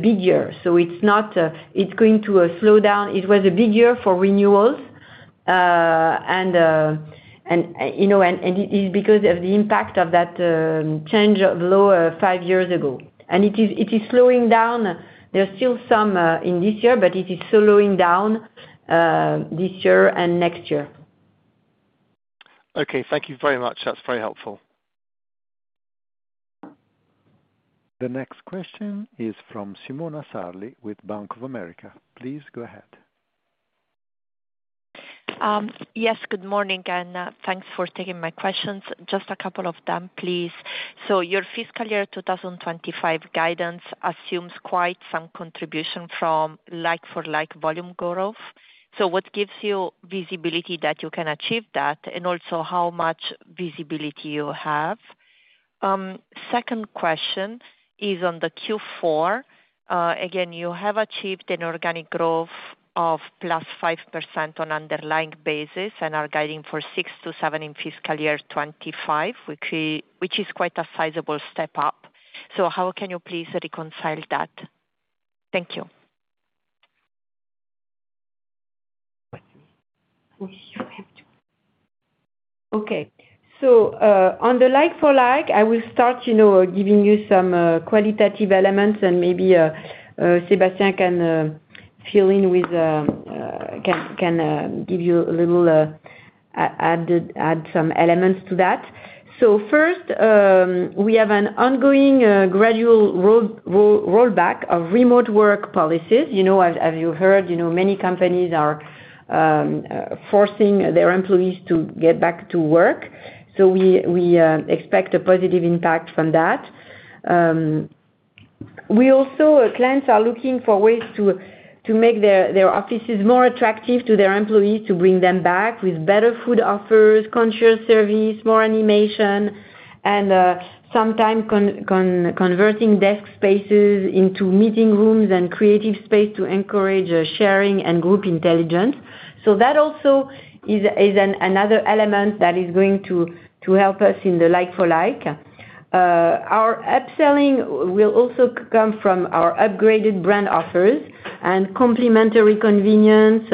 big year. So it's not... It's going to slow down. It was a big year for renewals, you know, and it is because of the impact of that change of law five years ago. It is slowing down. There are still some in this year, but it is slowing down this year and next year. Okay, thank you very much. That's very helpful. The next question is from Simona Sarli with Bank of America. Please go ahead. Yes, good morning, and thanks for taking my questions. Just a couple of them, please. So your fiscal year 2025 guidance assumes quite some contribution from like-for-like volume growth. So what gives you visibility that you can achieve that, and also how much visibility you have? Second question is on the Q4. Again, you have achieved an organic growth of plus 5% on underlying basis and are guiding for 6-7% in fiscal year 2025, which is quite a sizable step up. So how can you please reconcile that? Thank you. Okay. So, on the like-for-like, I will start, you know, giving you some qualitative elements, and maybe Sébastien can fill in and add some elements to that. So first, we have an ongoing gradual rollback of remote work policies. You know, as you heard, you know, many companies are forcing their employees to get back to work, so we expect a positive impact from that. We also, clients are looking for ways to make their offices more attractive to their employees, to bring them back with better food offers, concierge service, more animation, and sometimes converting desk spaces into meeting rooms and creative space to encourage sharing and group intelligence. So that also is another element that is going to help us in the like-for-like. Our upselling will also come from our upgraded brand offers and complementary convenience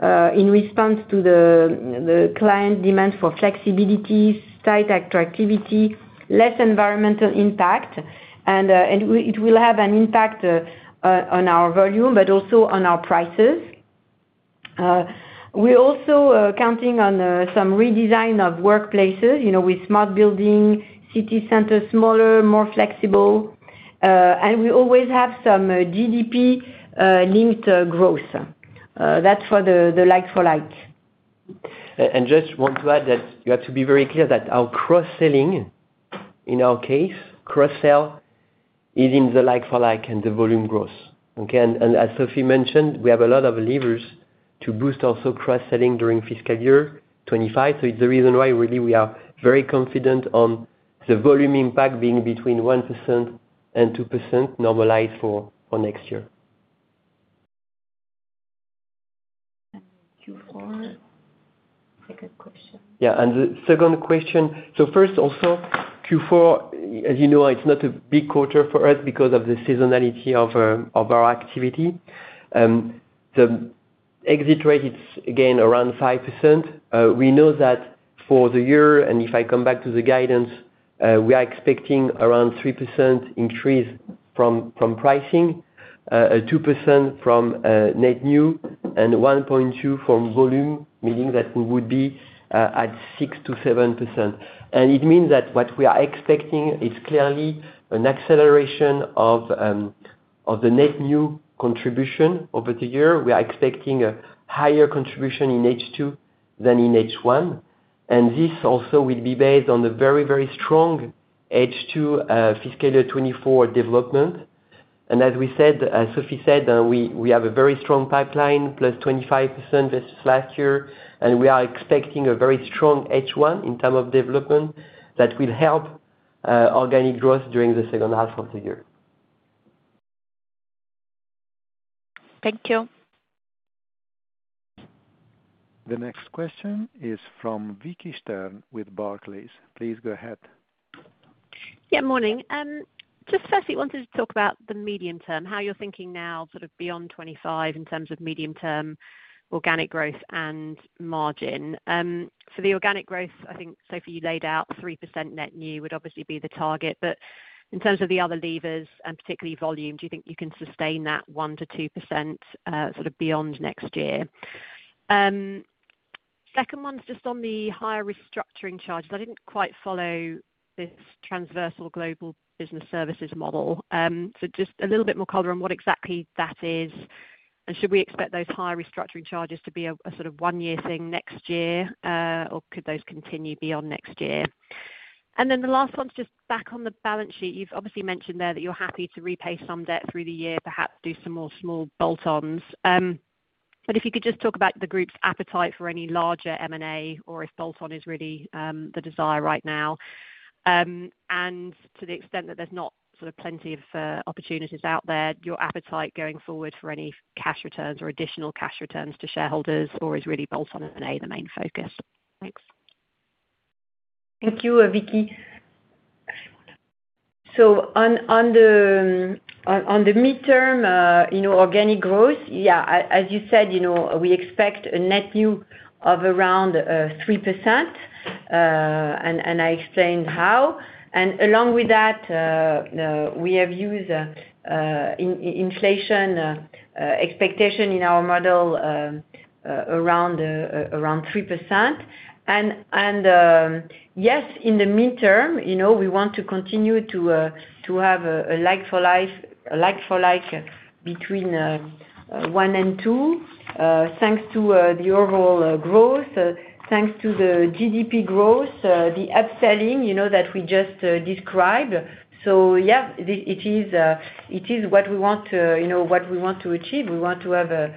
in response to the client demand for flexibility, site attractivity, less environmental impact, and it will have an impact on our volume, but also on our prices. We also counting on some redesign of workplaces, you know, with smart building, city centers, smaller, more flexible, and we always have some GDP linked growth. That's for the like-for-like. And just want to add that you have to be very clear that our cross-selling, in our case, cross-sell is in the like-for-like and the volume growth. Okay? And as Sophie mentioned, we have a lot of levers to boost also cross-selling during fiscal year 2025, so it's the reason why really we are very confident on the volume impact being between 1% and 2% normalized for next year. Q4, second question. Yeah, and the second question. So first, also, Q4, as you know, it's not a big quarter for us because of the seasonality of our activity. The exit rate is again around 5%. We know that for the year, and if I come back to the guidance, we are expecting around 3% increase from pricing, 2% from net new, and 1.2% from volume, meaning that we would be at 6%-7%. And it means that what we are expecting is clearly an acceleration of the net new contribution over the year. We are expecting a higher contribution in H2 than in H1, and this also will be based on the very, very strong H2 fiscal year 2024 development. As we said, as Sophie said, we have a very strong pipeline, plus 25% versus last year, and we are expecting a very strong H1 in terms of development that will help organic growth during the second half of the year. Thank you. The next question is from Vicki Stern with Barclays. Please go ahead. Yeah, morning. Just firstly wanted to talk about the medium term, how you're thinking now, sort of beyond 2025 in terms of medium-term organic growth and margin. So the organic growth, I think, Sophie, you laid out 3% net new would obviously be the target, but in terms of the other levers, and particularly volume, do you think you can sustain that 1% to 2%, sort of beyond next year? Second one's just on the higher restructuring charges. I didn't quite follow this transversal global business services model. So just a little bit more color on what exactly that is, and should we expect those higher restructuring charges to be a, a sort of one-year thing next year, or could those continue beyond next year? And then the last one's just back on the balance sheet. You've obviously mentioned there that you're happy to repay some debt through the year, perhaps do some more small bolt-ons, but if you could just talk about the group's appetite for any larger M&A, or if bolt-on is really the desire right now, and to the extent that there's not sort of plenty of opportunities out there, your appetite going forward for any cash returns or additional cash returns to shareholders, or is really bolt-on M&A the main focus? Thanks. Thank you, Vicki. So on the midterm, you know, organic growth, yeah, as you said, you know, we expect a net new of around 3%, and I explained how, and along with that, we have used inflation expectation in our model, around 3%. And yes, in the midterm, you know, we want to continue to have a like-for-like between 1% and 2%, thanks to the overall growth, thanks to the GDP growth, the upselling, you know, that we just described. So yeah, it is what we want to, you know, what we want to achieve. We want to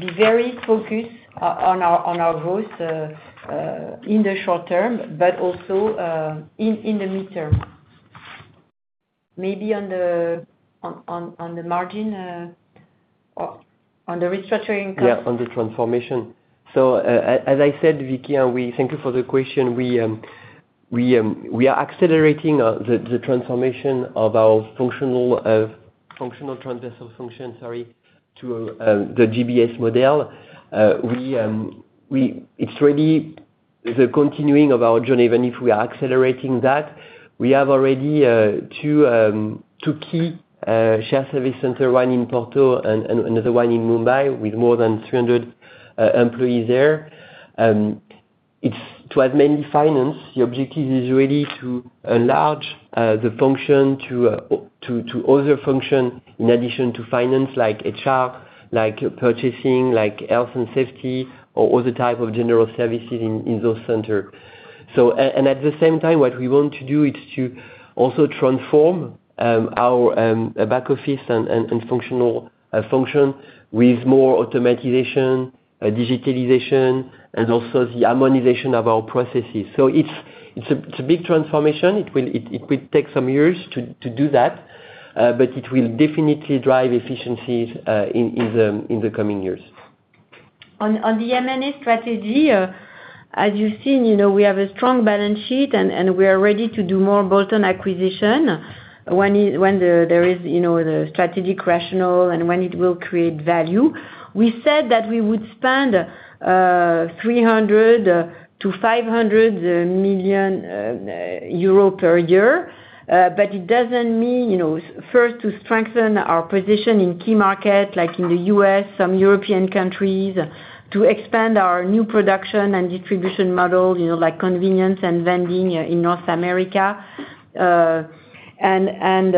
be very focused on our growth in the short term, but also in the midterm. Maybe on the margin or on the restructuring cost? Yeah, on the transformation. As I said, Vicki, we thank you for the question. We are accelerating the transformation of our functional transversal function, sorry, to the GBS model. It's really the continuing of our journey, even if we are accelerating that. We have already two key shared service centers, one in Porto and another one in Mumbai, with more than 300 employees there. It's to have mainly finance, the objective is really to enlarge the function to other functions, in addition to finance, like HR, like purchasing, like health and safety, or other type of general services in those centers. And at the same time, what we want to do is to also transform our back office and functional function with more automation, digitalization, and also the harmonization of our processes. It's a big transformation. It will take some years to do that, but it will definitely drive efficiencies in the coming years. On the M&A strategy, as you've seen, you know, we have a strong balance sheet and we are ready to do more bolt-on acquisitions, when there is, you know, the strategic rationale and when it will create value. We said that we would spend 300-500 million euro per year. But it doesn't mean, you know, first, to strengthen our position in key market, like in the U.S., some European countries, to expand our new production and distribution model, you know, like convenience and vending in North America. And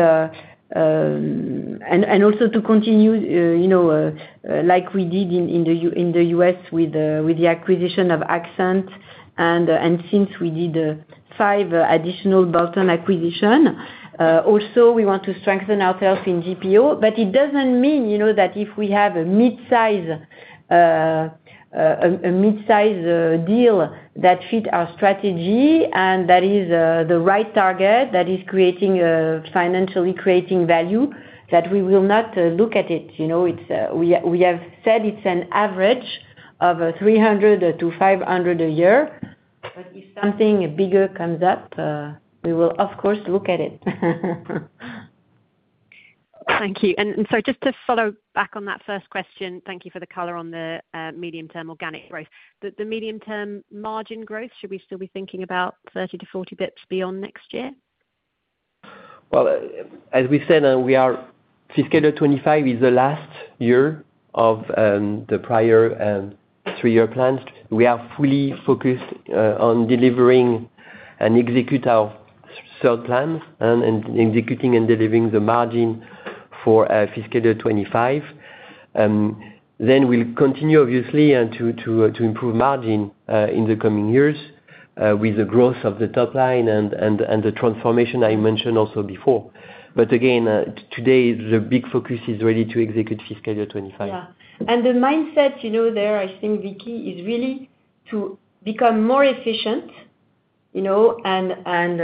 also to continue, you know, like we did in the U.S. with the acquisition of Accent, and since we did five additional bolt-on acquisitions. Also, we want to strengthen ourselves in GPO, but it doesn't mean, you know, that if we have a mid-size deal that fit our strategy, and that is the right target that is creating financial value, that we will not look at it. You know, we have said it's an average of 300-500 a year, but if something bigger comes up, we will of course look at it. Thank you. And so just to follow back on that first question, thank you for the color on the medium-term organic growth. The medium-term margin growth, should we still be thinking about 30-40 basis points beyond next year? As we said, we are fiscal year 2025 is the last year of the prior three-year plans. We are fully focused on delivering and execute our sell plans and executing and delivering the margin for fiscal year 2025. Then we'll continue, obviously, and to improve margin in the coming years with the growth of the top line and the transformation I mentioned also before. But again, today, the big focus is really to execute fiscal year 2025. Yeah. And the mindset, you know, there, I think, Vicki, is really to become more efficient, you know, and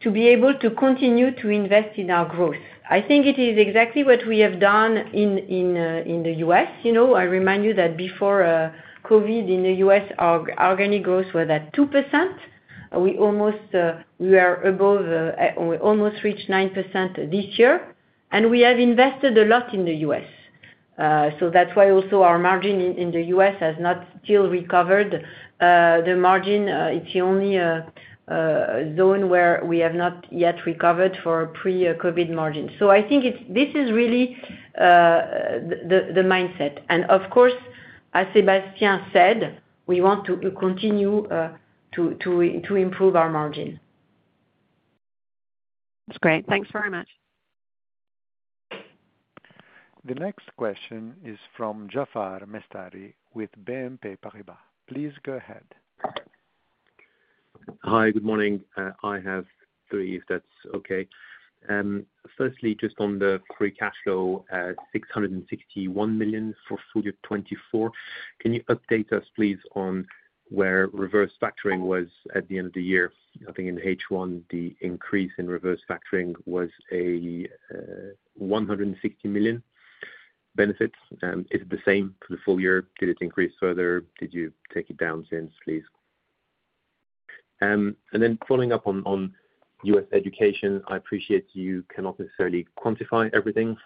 to be able to continue to invest in our growth. I think it is exactly what we have done in the U.S. You know, I remind you that before COVID in the U.S., our organic growth was at 2%. We almost reached 9% this year, and we have invested a lot in the U.S. So that's why also our margin in the U.S. has not still recovered. The margin, it's the only zone where we have not yet recovered for pre-COVID margin. I think it's, this is really the mindset, and of course, as Sébastien said, we want to continue to improve our margin. That's great. Thanks very much. The next question is from Jaafar Mestari with BNP Paribas. Please go ahead. Hi, good morning. I have three, if that's okay. Firstly, just on the free cash flow at 661 million for full year 2024, can you update us, please, on where reverse factoring was at the end of the year? I think in H1, the increase in reverse factoring was a 160 million benefit. Is it the same for the full year? Did it increase further? Did you take it down since, please? And then following up on U.S. Education, I appreciate you cannot necessarily quantify everything.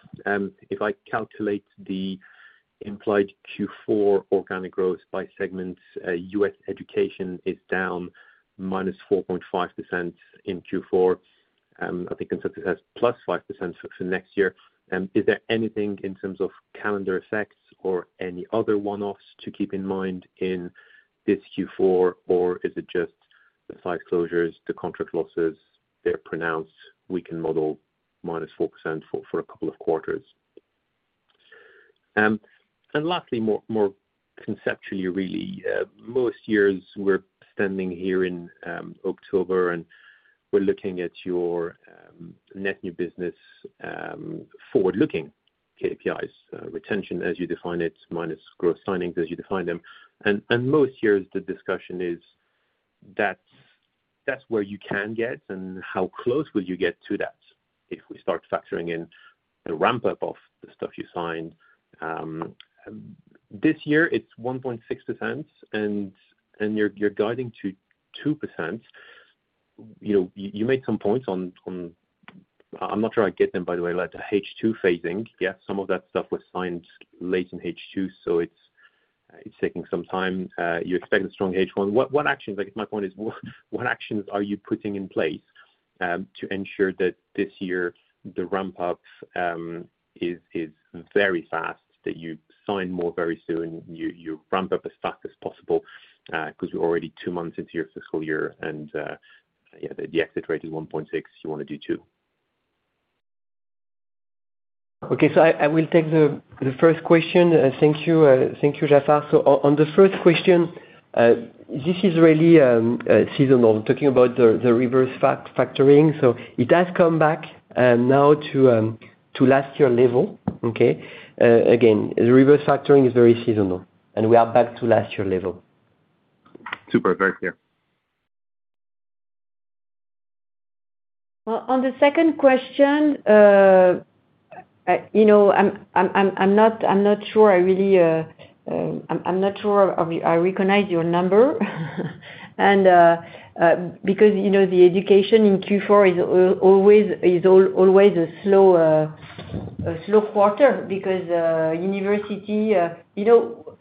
If I calculate the implied Q4 organic growth by segments, U.S. Education is down -4.5% in Q4. I think in terms it has +5% for next year. Is there anything in terms of calendar effects or any other one-offs to keep in mind in this Q4, or is it just the site closures, the contract losses, they're pronounced, we can model -4% for a couple of quarters? And lastly, more conceptually really, most years we're standing here in October, and we're looking at your net new business forward looking KPIs, retention, as you define it, minus growth signings, as you define them. And most years the discussion is that's where you can get, and how close will you get to that if we start factoring in the ramp up of the stuff you signed? This year it's 1.6%, and you're guiding to 2%. You know, you made some points on. I'm not sure I get them, by the way, like the H2 phasing. Yeah, some of that stuff was signed late in H2, so it's taking some time. You expect a strong H1. What actions, like, my point is, what actions are you putting in place to ensure that this year the ramp up is very fast, that you sign more very soon, you ramp up as fast as possible, 'cause you're already two months into your fiscal year, and yeah, the exit rate is 1.6, you wanna do 2. Okay. So I will take the first question. Thank you, thank you, Jaafar. So on the first question, this is really seasonal, talking about the reverse factoring. So it has come back now to last year level, okay? Again, the reverse factoring is very seasonal, and we are back to last year level. Super, very clear. On the second question, you know, I'm not sure I really recognize your number. Because, you know, the Education in Q4 is always a slow quarter because university, you know,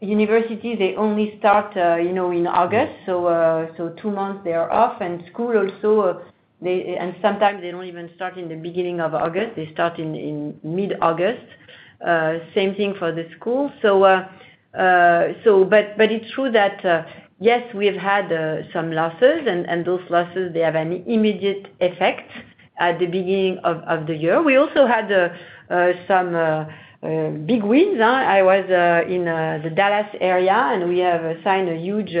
they only start, you know, in August. So two months they are off, and school also they. And sometimes they don't even start in the beginning of August, they start in mid-August. Same thing for the school. So but it's true that yes, we have had some losses, and those losses they have an immediate effect at the beginning of the year. We also had some big wins. I was in the Dallas area, and we have signed a huge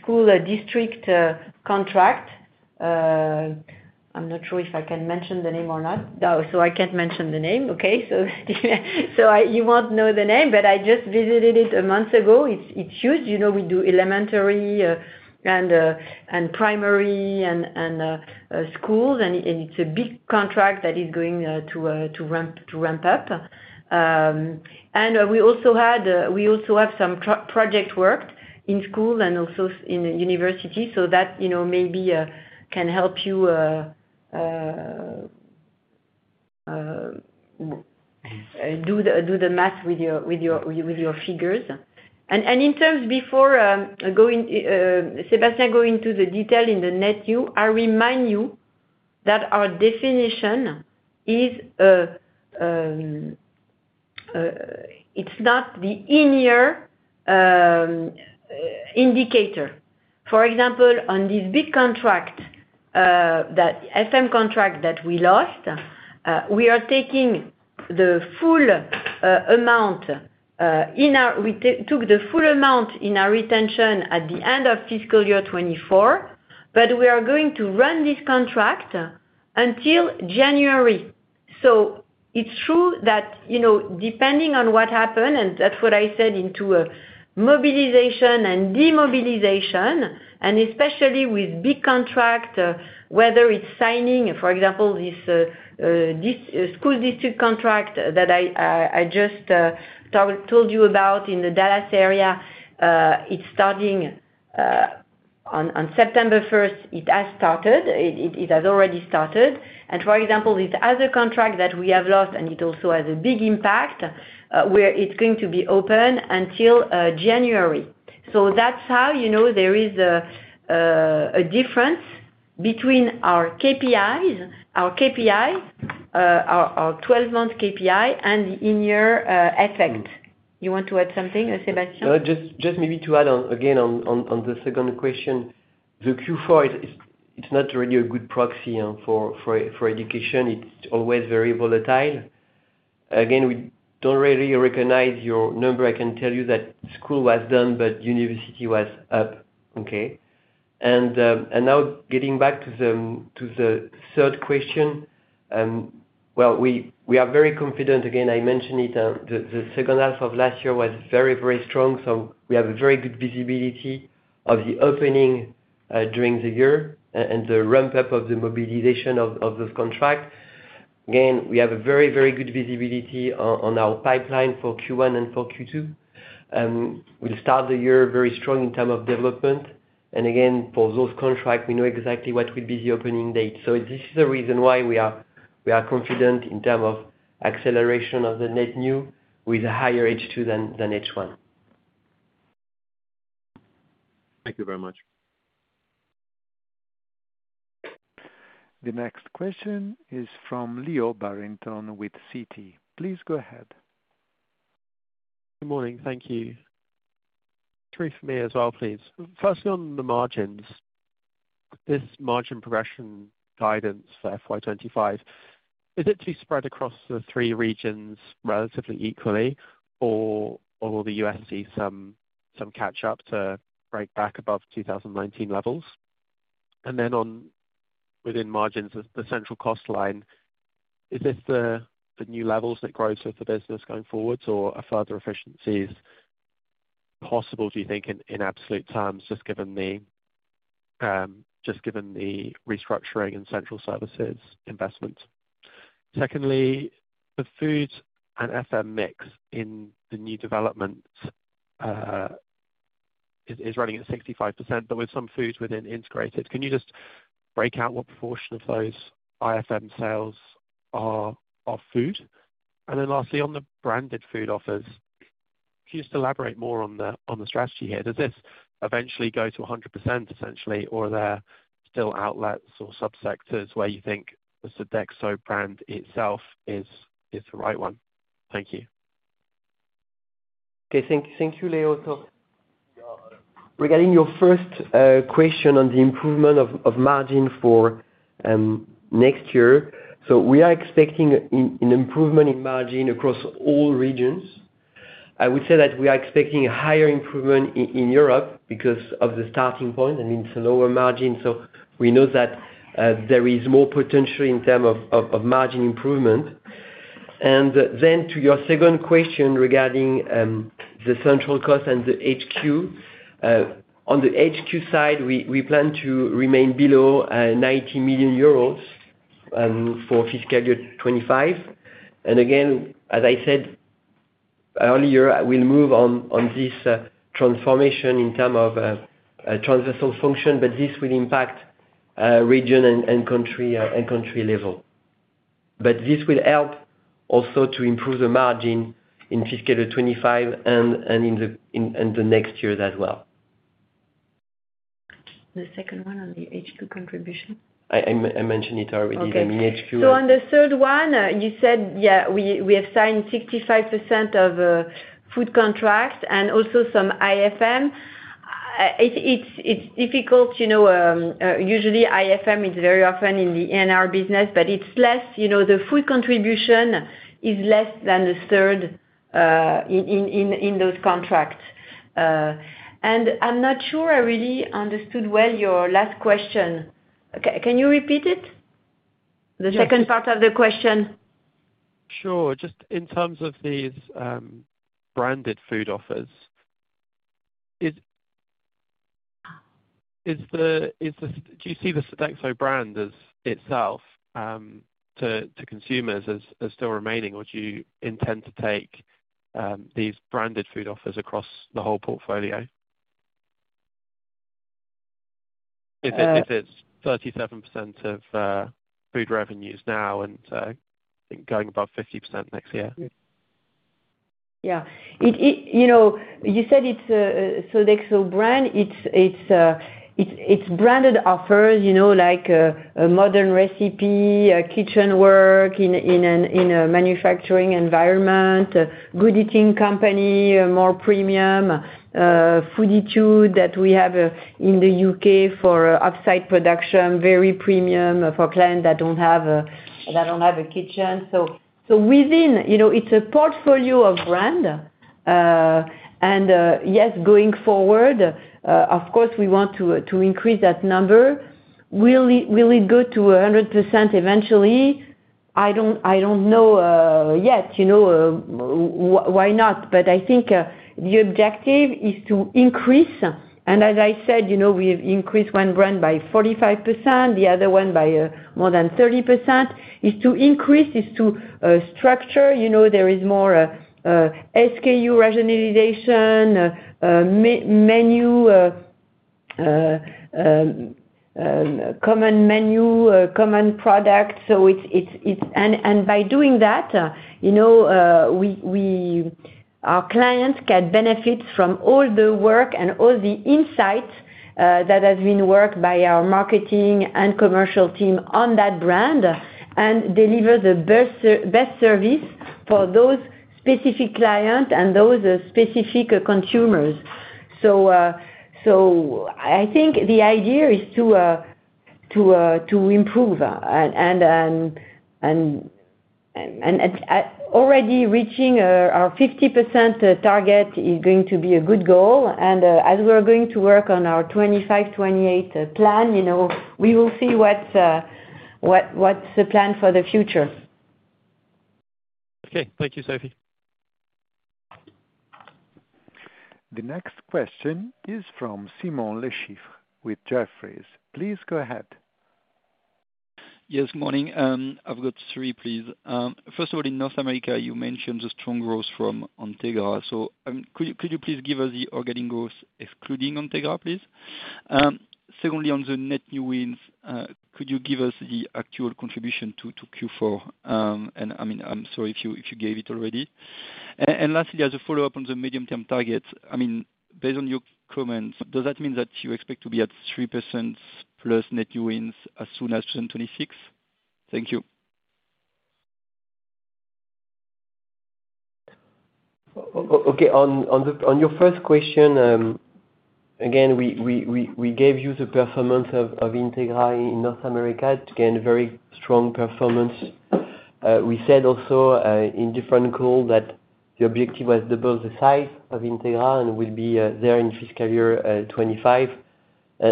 school district contract. I'm not sure if I can mention the name or not. So I can't mention the name, okay, so you won't know the name, but I just visited it a month ago. It's huge, you know, we do elementary and primary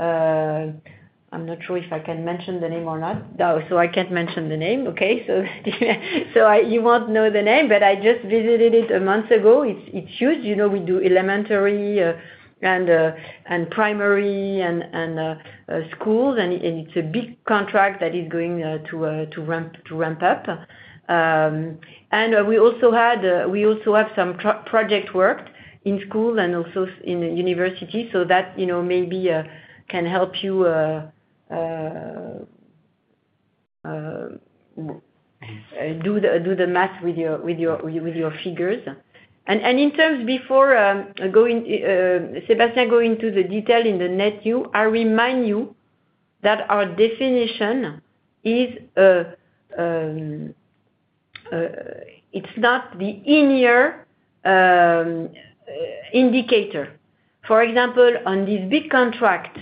schools, and it's a big contract that is going to ramp up, and we also have some project work in schools and also in the university. So that, you know, maybe can help you do the math with your figures. In terms, before going, Sébastien goes into the detail in the net new, I remind you that our definition is, it's not the in-year indicator. For example, on this big contract,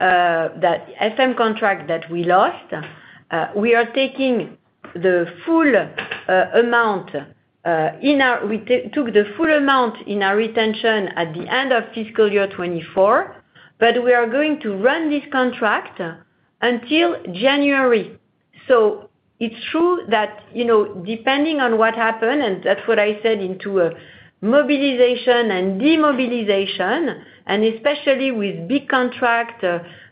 that FM contract that we lost, we are taking the full amount, we took the full amount in our retention at the end of fiscal year 2024, but we are going to run this contract until January. So it's true that, you know, depending on what happened, and that's what I said, into a mobilization and demobilization, and especially with big contract,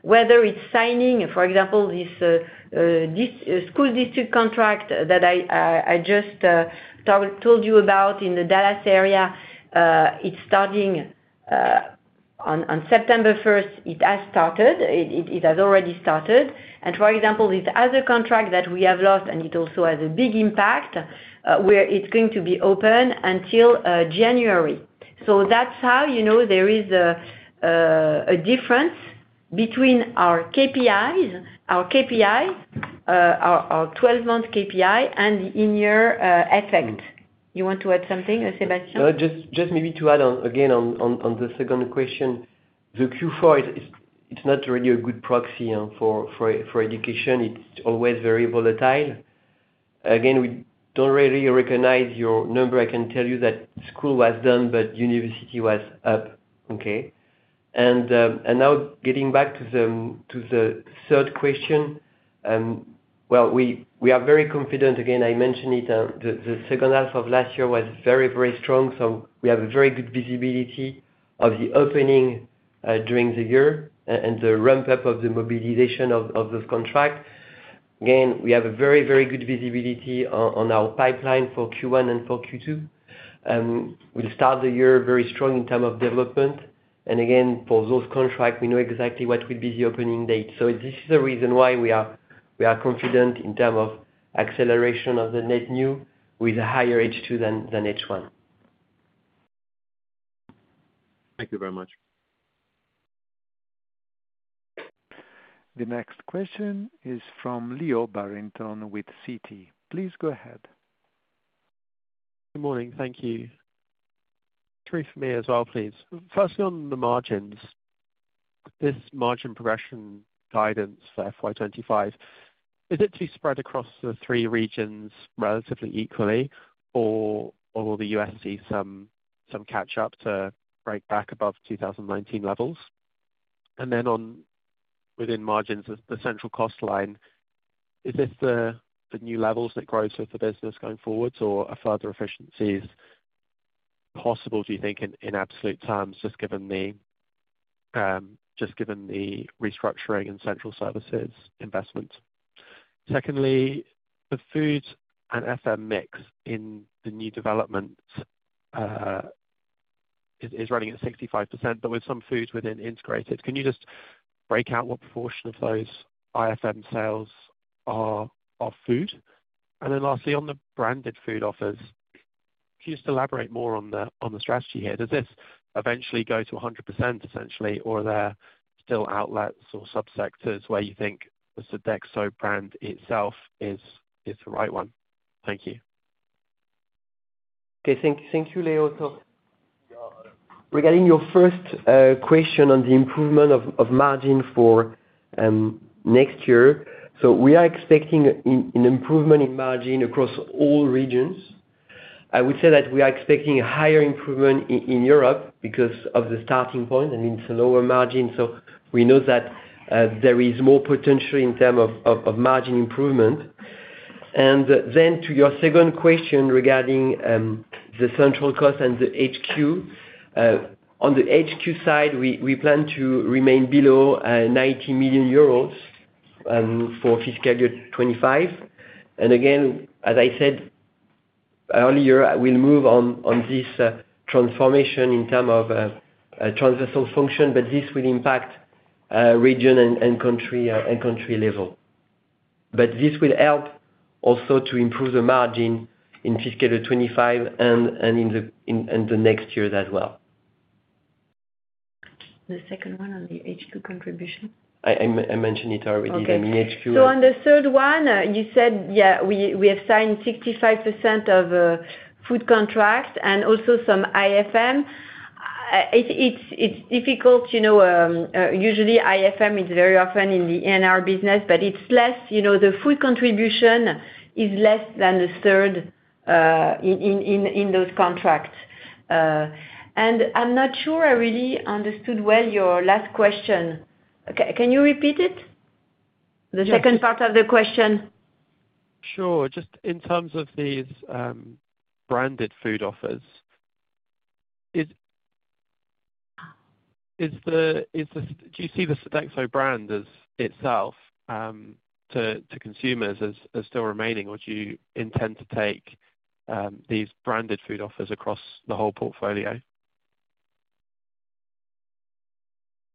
whether it's signing, for example, this, school district contract that I just told you about in the Dallas area, it's starting on September 1st. It has started. It has already started. And, for example, this other contract that we have lost, and it also has a big impact, where it's going to be open until January. So that's how, you know, there is a difference between our KPIs, our 12-month KPI and the in-year effect. You want to add something, Sébastien? Just maybe to add on, again, on the second question. The Q4 it's not really a good proxy for Education, it's always very volatile. Again, we don't really recognize your number. I can tell you that school was down, but university was up, okay? And now getting back to the third question, well, we are very confident. Again, I mentioned it, the second half of last year was very strong, so we have a very good visibility of the opening during the year and the ramp up of the mobilization of this contract. Again, we have a very good visibility on our pipeline for Q1 and for Q2. We start the year very strong in terms of development, and again, for those contracts, we know exactly what will be the opening date. So this is the reason why we are confident in terms of acceleration of the net new, with a higher H2 than H1. Thank you very much. The next question is from Leo Carrington with Citi. Please go ahead. Good morning. Thank you. Three for me as well, please. Firstly, on the margins, this margin progression guidance for FY 2025, is it to spread across the three regions relatively equally, or will the U.S. see some catch up to break back above 2019 levels? And then on, within margins, the central cost line, is this the new levels that grows with the business going forwards, or are further efficiencies possible, do you think, in absolute terms, just given the restructuring and central services investment? Secondly, the food and FM mix in the new development is running at 65%, but with some foods within integrated. Can you just break out what proportion of those IFM sales are food? Then lastly, on the branded food offers, can you just elaborate more on the strategy here? Does this eventually go to 100% essentially, or are there still outlets or sub-sectors where you think the Sodexo brand itself is the right one? Thank you. Okay. Thank you, Leo. Regarding your first question on the improvement of margin for next year, we are expecting an improvement in margin across all regions. I would say that we are expecting a higher improvement in Europe, because of the starting point, and it's a lower margin, so we know that there is more potential in term of margin improvement. Then to your second question regarding the central cost and the HQ. On the HQ side, we plan to remain below 90 million euros for fiscal year 2025. And again, as I said earlier, we'll move on this transformation in term of transversal function, but this will impact region and country level. But this will help also to improve the margin in fiscal year 2025 and in the next years as well. The second one on the HQ contribution. I mentioned it already. Okay. I mean, HQ- So on the third one, you said, yeah, we have signed 65% of food contracts and also some IFM. It's difficult, you know, usually IFM is very often in the E&R business, but it's less, you know, the food contribution is less than a third in those contracts. And I'm not sure I really understood well your last question. Okay, can you repeat it? The second part of the question. Sure. Just in terms of these branded food offers, is the-- Do you see the Sodexo brand as itself to consumers as still remaining, or do you intend to take these branded food offers across the whole portfolio?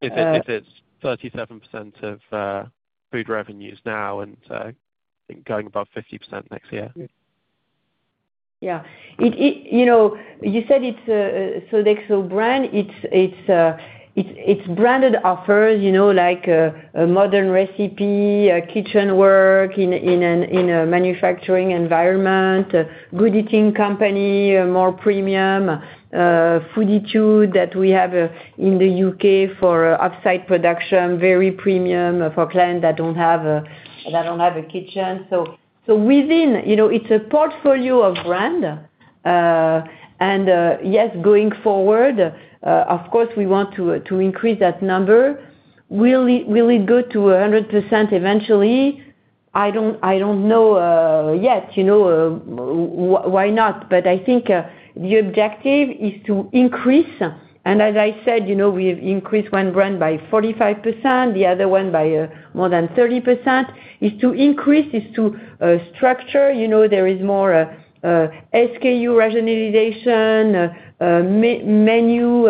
If it's 37% of food revenues now, and I think going above 50% next year. Yeah. It, you know, you said it's a Sodexo brand. It's branded offers, you know, like a Modern Recipe, Kitchen Works in a manufacturing environment, The Good Eating Company, more premium, Fooditude that we have in the UK for offsite production, very premium for clients that don't have a kitchen. So within, you know, it's a portfolio of brand, and yes, going forward, of course, we want to increase that number. Will it go to 100% eventually? I don't know yet, you know, why not? But I think the objective is to increase, and as I said, you know, we've increased one brand by 45%, the other one by more than 30%. It's to increase, it's to structure, you know, there is more SKU rationalization, menu,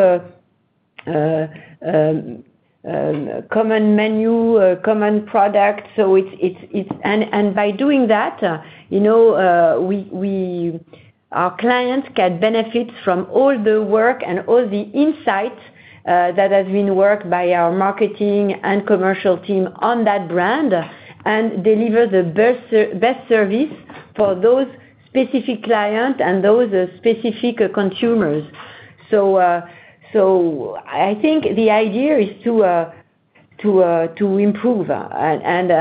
common menu, common product. So it's. And by doing that, you know, we our clients can benefit from all the work and all the insight that has been worked by our marketing and commercial team on that brand, and deliver the best service for those specific client and those specific consumers. So I think the idea is to improve, and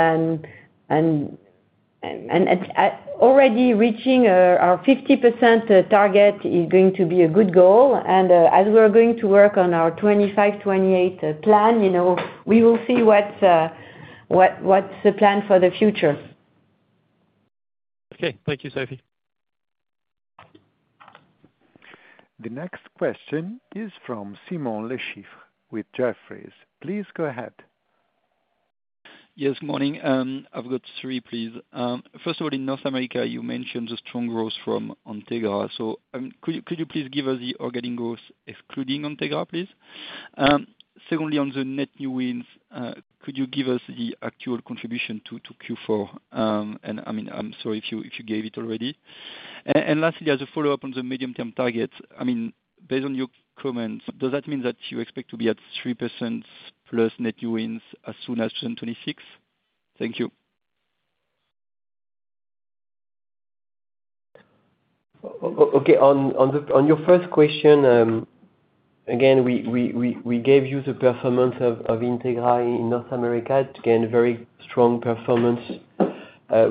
at already reaching our 50% target is going to be a good goal. And as we are going to work on our 2025-2028 plan, you know, we will see what's the plan for the future. Okay. Thank you, Sophie. The next question is from Simon LeChipre with Jefferies. Please go ahead. Yes, morning. I've got three, please. First of all, in North America, you mentioned the strong growth from Entegra. So, could you please give us the organic growth excluding Entegra, please? Secondly, on the net new wins, could you give us the actual contribution to Q4? And, I mean, I'm sorry if you gave it already. And lastly, as a follow-up on the medium-term target, I mean, based on your comments, does that mean that you expect to be at 3% plus net new wins as soon as 2026? Thank you. Okay, on your first question, again, we gave you the performance of Entegra in North America. Again, very strong performance.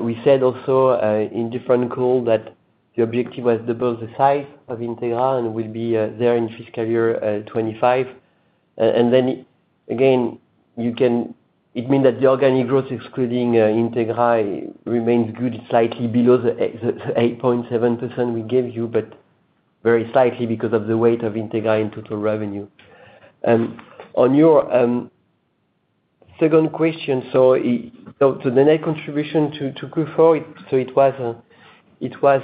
We said also in different call that the objective was double the size of Entegra, and will be there in fiscal year 2025. And then, again, it means that the organic growth excluding Entegra remains good, slightly below the 8.7% we gave you, but very slightly because of the weight of Entegra in total revenue. On your second question, so to the net contribution to Q4, it was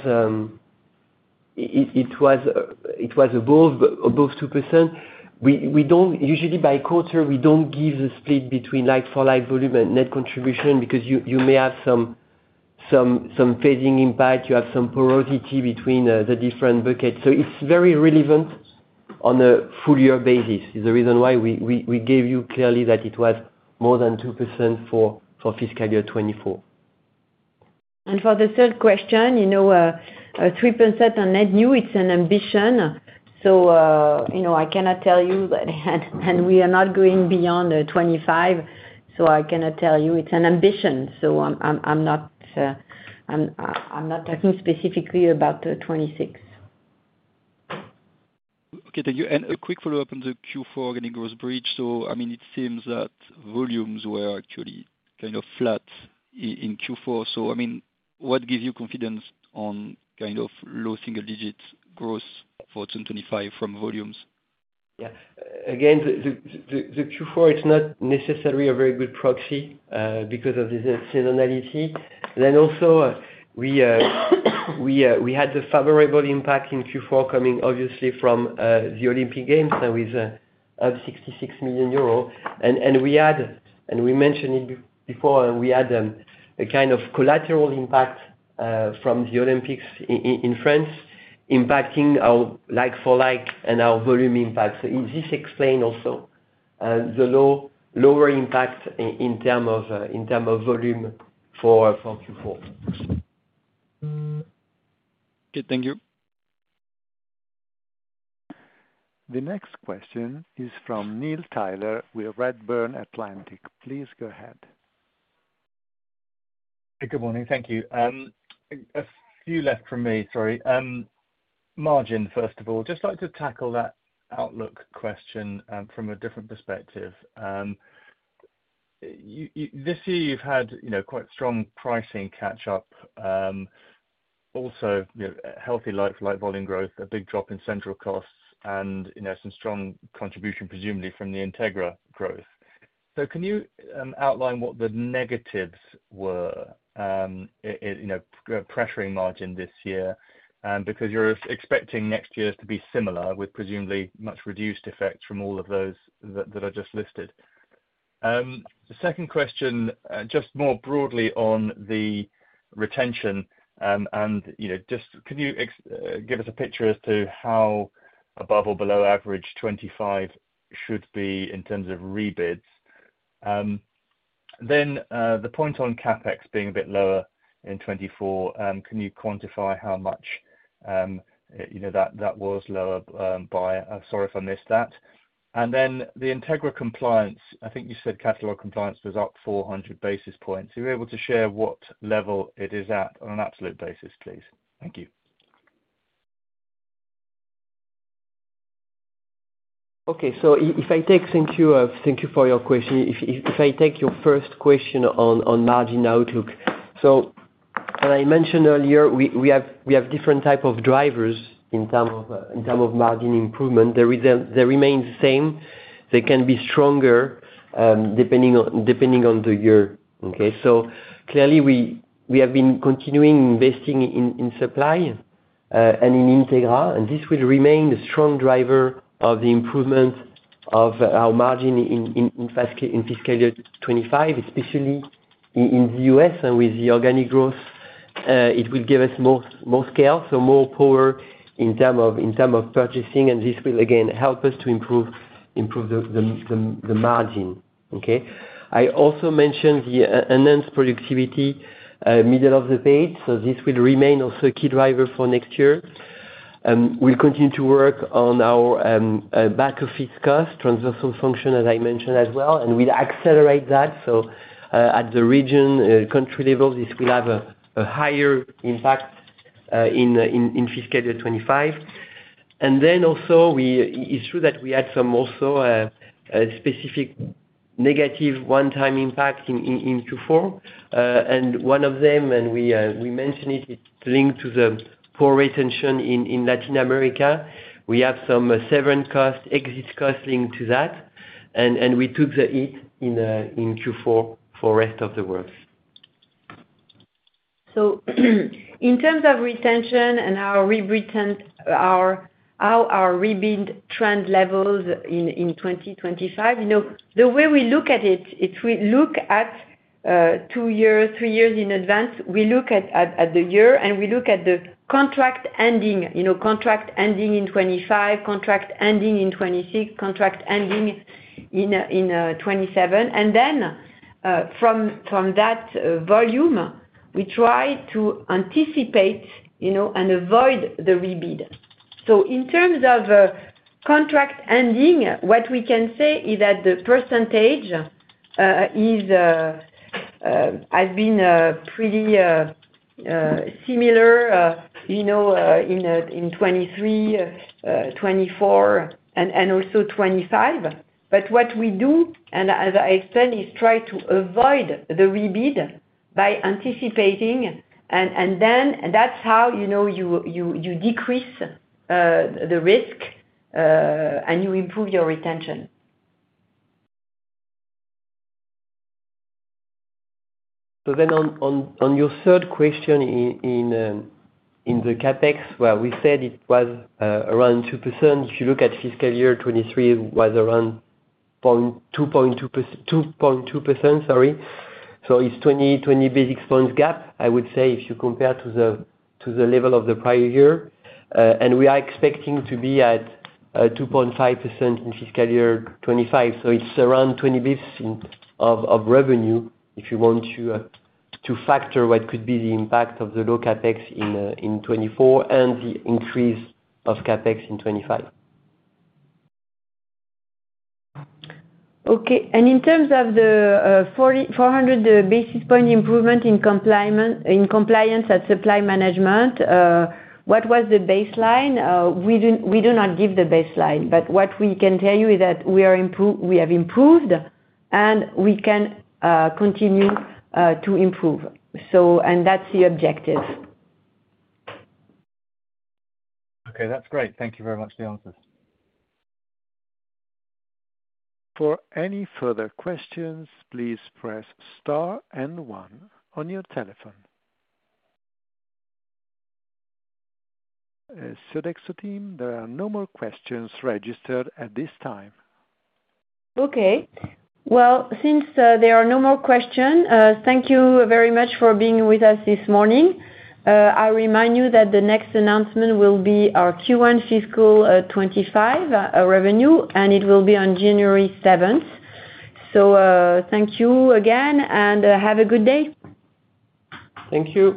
above 2%. We don't usually by quarter, we don't give the split between like-for-like, volume and net contribution, because you may have some phasing impact. You have some porosity between the different buckets. So it's very relevant on a full year basis, is the reason why we gave you clearly that it was more than 2% for fiscal year 2024. For the third question, you know, 3% on net new, it's an ambition. So, you know, I cannot tell you, but and we are not going beyond 25, so I cannot tell you. It's an ambition, so I'm not talking specifically about 26. Okay, thank you. And a quick follow-up on the Q4 organic growth bridge. So, I mean, it seems that volumes were actually kind of flat in Q4. So, I mean, what gives you confidence on kind of low single digit growth for 2025 from volumes? Yeah. Again, Q4, it's not necessarily a very good proxy because of the seasonality. Then also, we had the favorable impact in Q4 coming obviously from the Olympic Games with of 66 million euros. And we had, and we mentioned it before, we had a kind of collateral impact from the Olympics in France, impacting our like for like, and our volume impact. So this explain also the lower impact in terms of volume for Q4. Okay, thank you. The next question is from Neil Tyler with Redburn Atlantic. Please go ahead. Good morning. Thank you. A few left from me, sorry. Margin, first of all, just like to tackle that outlook question from a different perspective. This year, you've had, you know, quite strong pricing catch up. Also, you know, healthy like-for-like volume growth, a big drop in central costs and, you know, some strong contribution, presumably from the Entegra growth. So can you outline what the negatives were, you know, pressuring margin this year? Because you're expecting next year to be similar, with presumably much reduced effects from all of those that I just listed. The second question, just more broadly on the retention, and just could you give us a picture as to how above or below average 2025 should be in terms of rebids? Then, the point on CapEx being a bit lower in 2024, can you quantify how much, you know, that, that was lower, by? I'm sorry if I missed that. And then the Entegra compliance, I think you said catalog compliance was up 400 basis points. Are you able to share what level it is at on an absolute basis, please? Thank you. Thank you, thank you for your question. If I take your first question on margin outlook. As I mentioned earlier, we have different types of drivers in terms of margin improvement. They remain the same, they can be stronger depending on the year, okay? Clearly, we have been continuing investing in supply and in Entegra, and this will remain a strong driver of the improvement of our margin in fiscal year 2025, especially in the U.S. and with the organic growth, it will give us more scale, so more power in terms of purchasing, and this will again help us to improve the margin. Okay? I also mentioned the AI-enhanced productivity, middle of the page, so this will remain also a key driver for next year. We'll continue to work on our back office cost, transversal function, as I mentioned as well, and we'll accelerate that. So, at the region, country level, this will have a higher impact in fiscal year 2025. And then also, it's true that we had some also negative one-time impact in Q4. And one of them, and we mentioned it, it's linked to the poor retention in Latin America. We have some severance costs, exit costs linked to that, and we took the hit in Q4 for Rest of the World. So in terms of retention and how our rebid trend levels in 2025, you know, the way we look at it is we look at two years, three years in advance. We look at the year, and we look at the contract ending, you know, contract ending in 2025, contract ending in 2026, contract ending in 2027. And then from that volume, we try to anticipate, you know, and avoid the rebid. So in terms of contract ending, what we can say is that the percentage has been pretty similar, you know, in 2023, 2024 and also 2025. But what we do, and as I explained, is try to avoid the rebid by anticipating, and then that's how, you know, you decrease the risk, and you improve your retention. So then on your third question, in the CapEx, where we said it was around 2%. If you look at fiscal year 2023, it was around 2.2%, sorry. So it's 20 basis points gap, I would say, if you compare to the level of the prior year. And we are expecting to be at 2.5% in fiscal year 2025. So it's around 20 basis points of revenue, if you want to factor what could be the impact of the low CapEx in 2024 and the increase of CapEx in 2025. Okay. And in terms of the 4400 basis point improvement in compliance and supply management, what was the baseline? We do not give the baseline, but what we can tell you is that we have improved, and we can continue to improve. So, and that's the objective. Okay, that's great. Thank you very much for the answers. For any further questions, please press star and one on your telephone. Sodexo team, there are no more questions registered at this time. Okay. Well, since there are no more question, thank you very much for being with us this morning. I remind you that the next announcement will be our Q1 fiscal 2025 revenue, and it will be on January seventh. So, thank you again, and have a good day. Thank you. Ladies and gentlemen, thank you for joining. The conference is now over. You may disconnect your telephones. Thank you.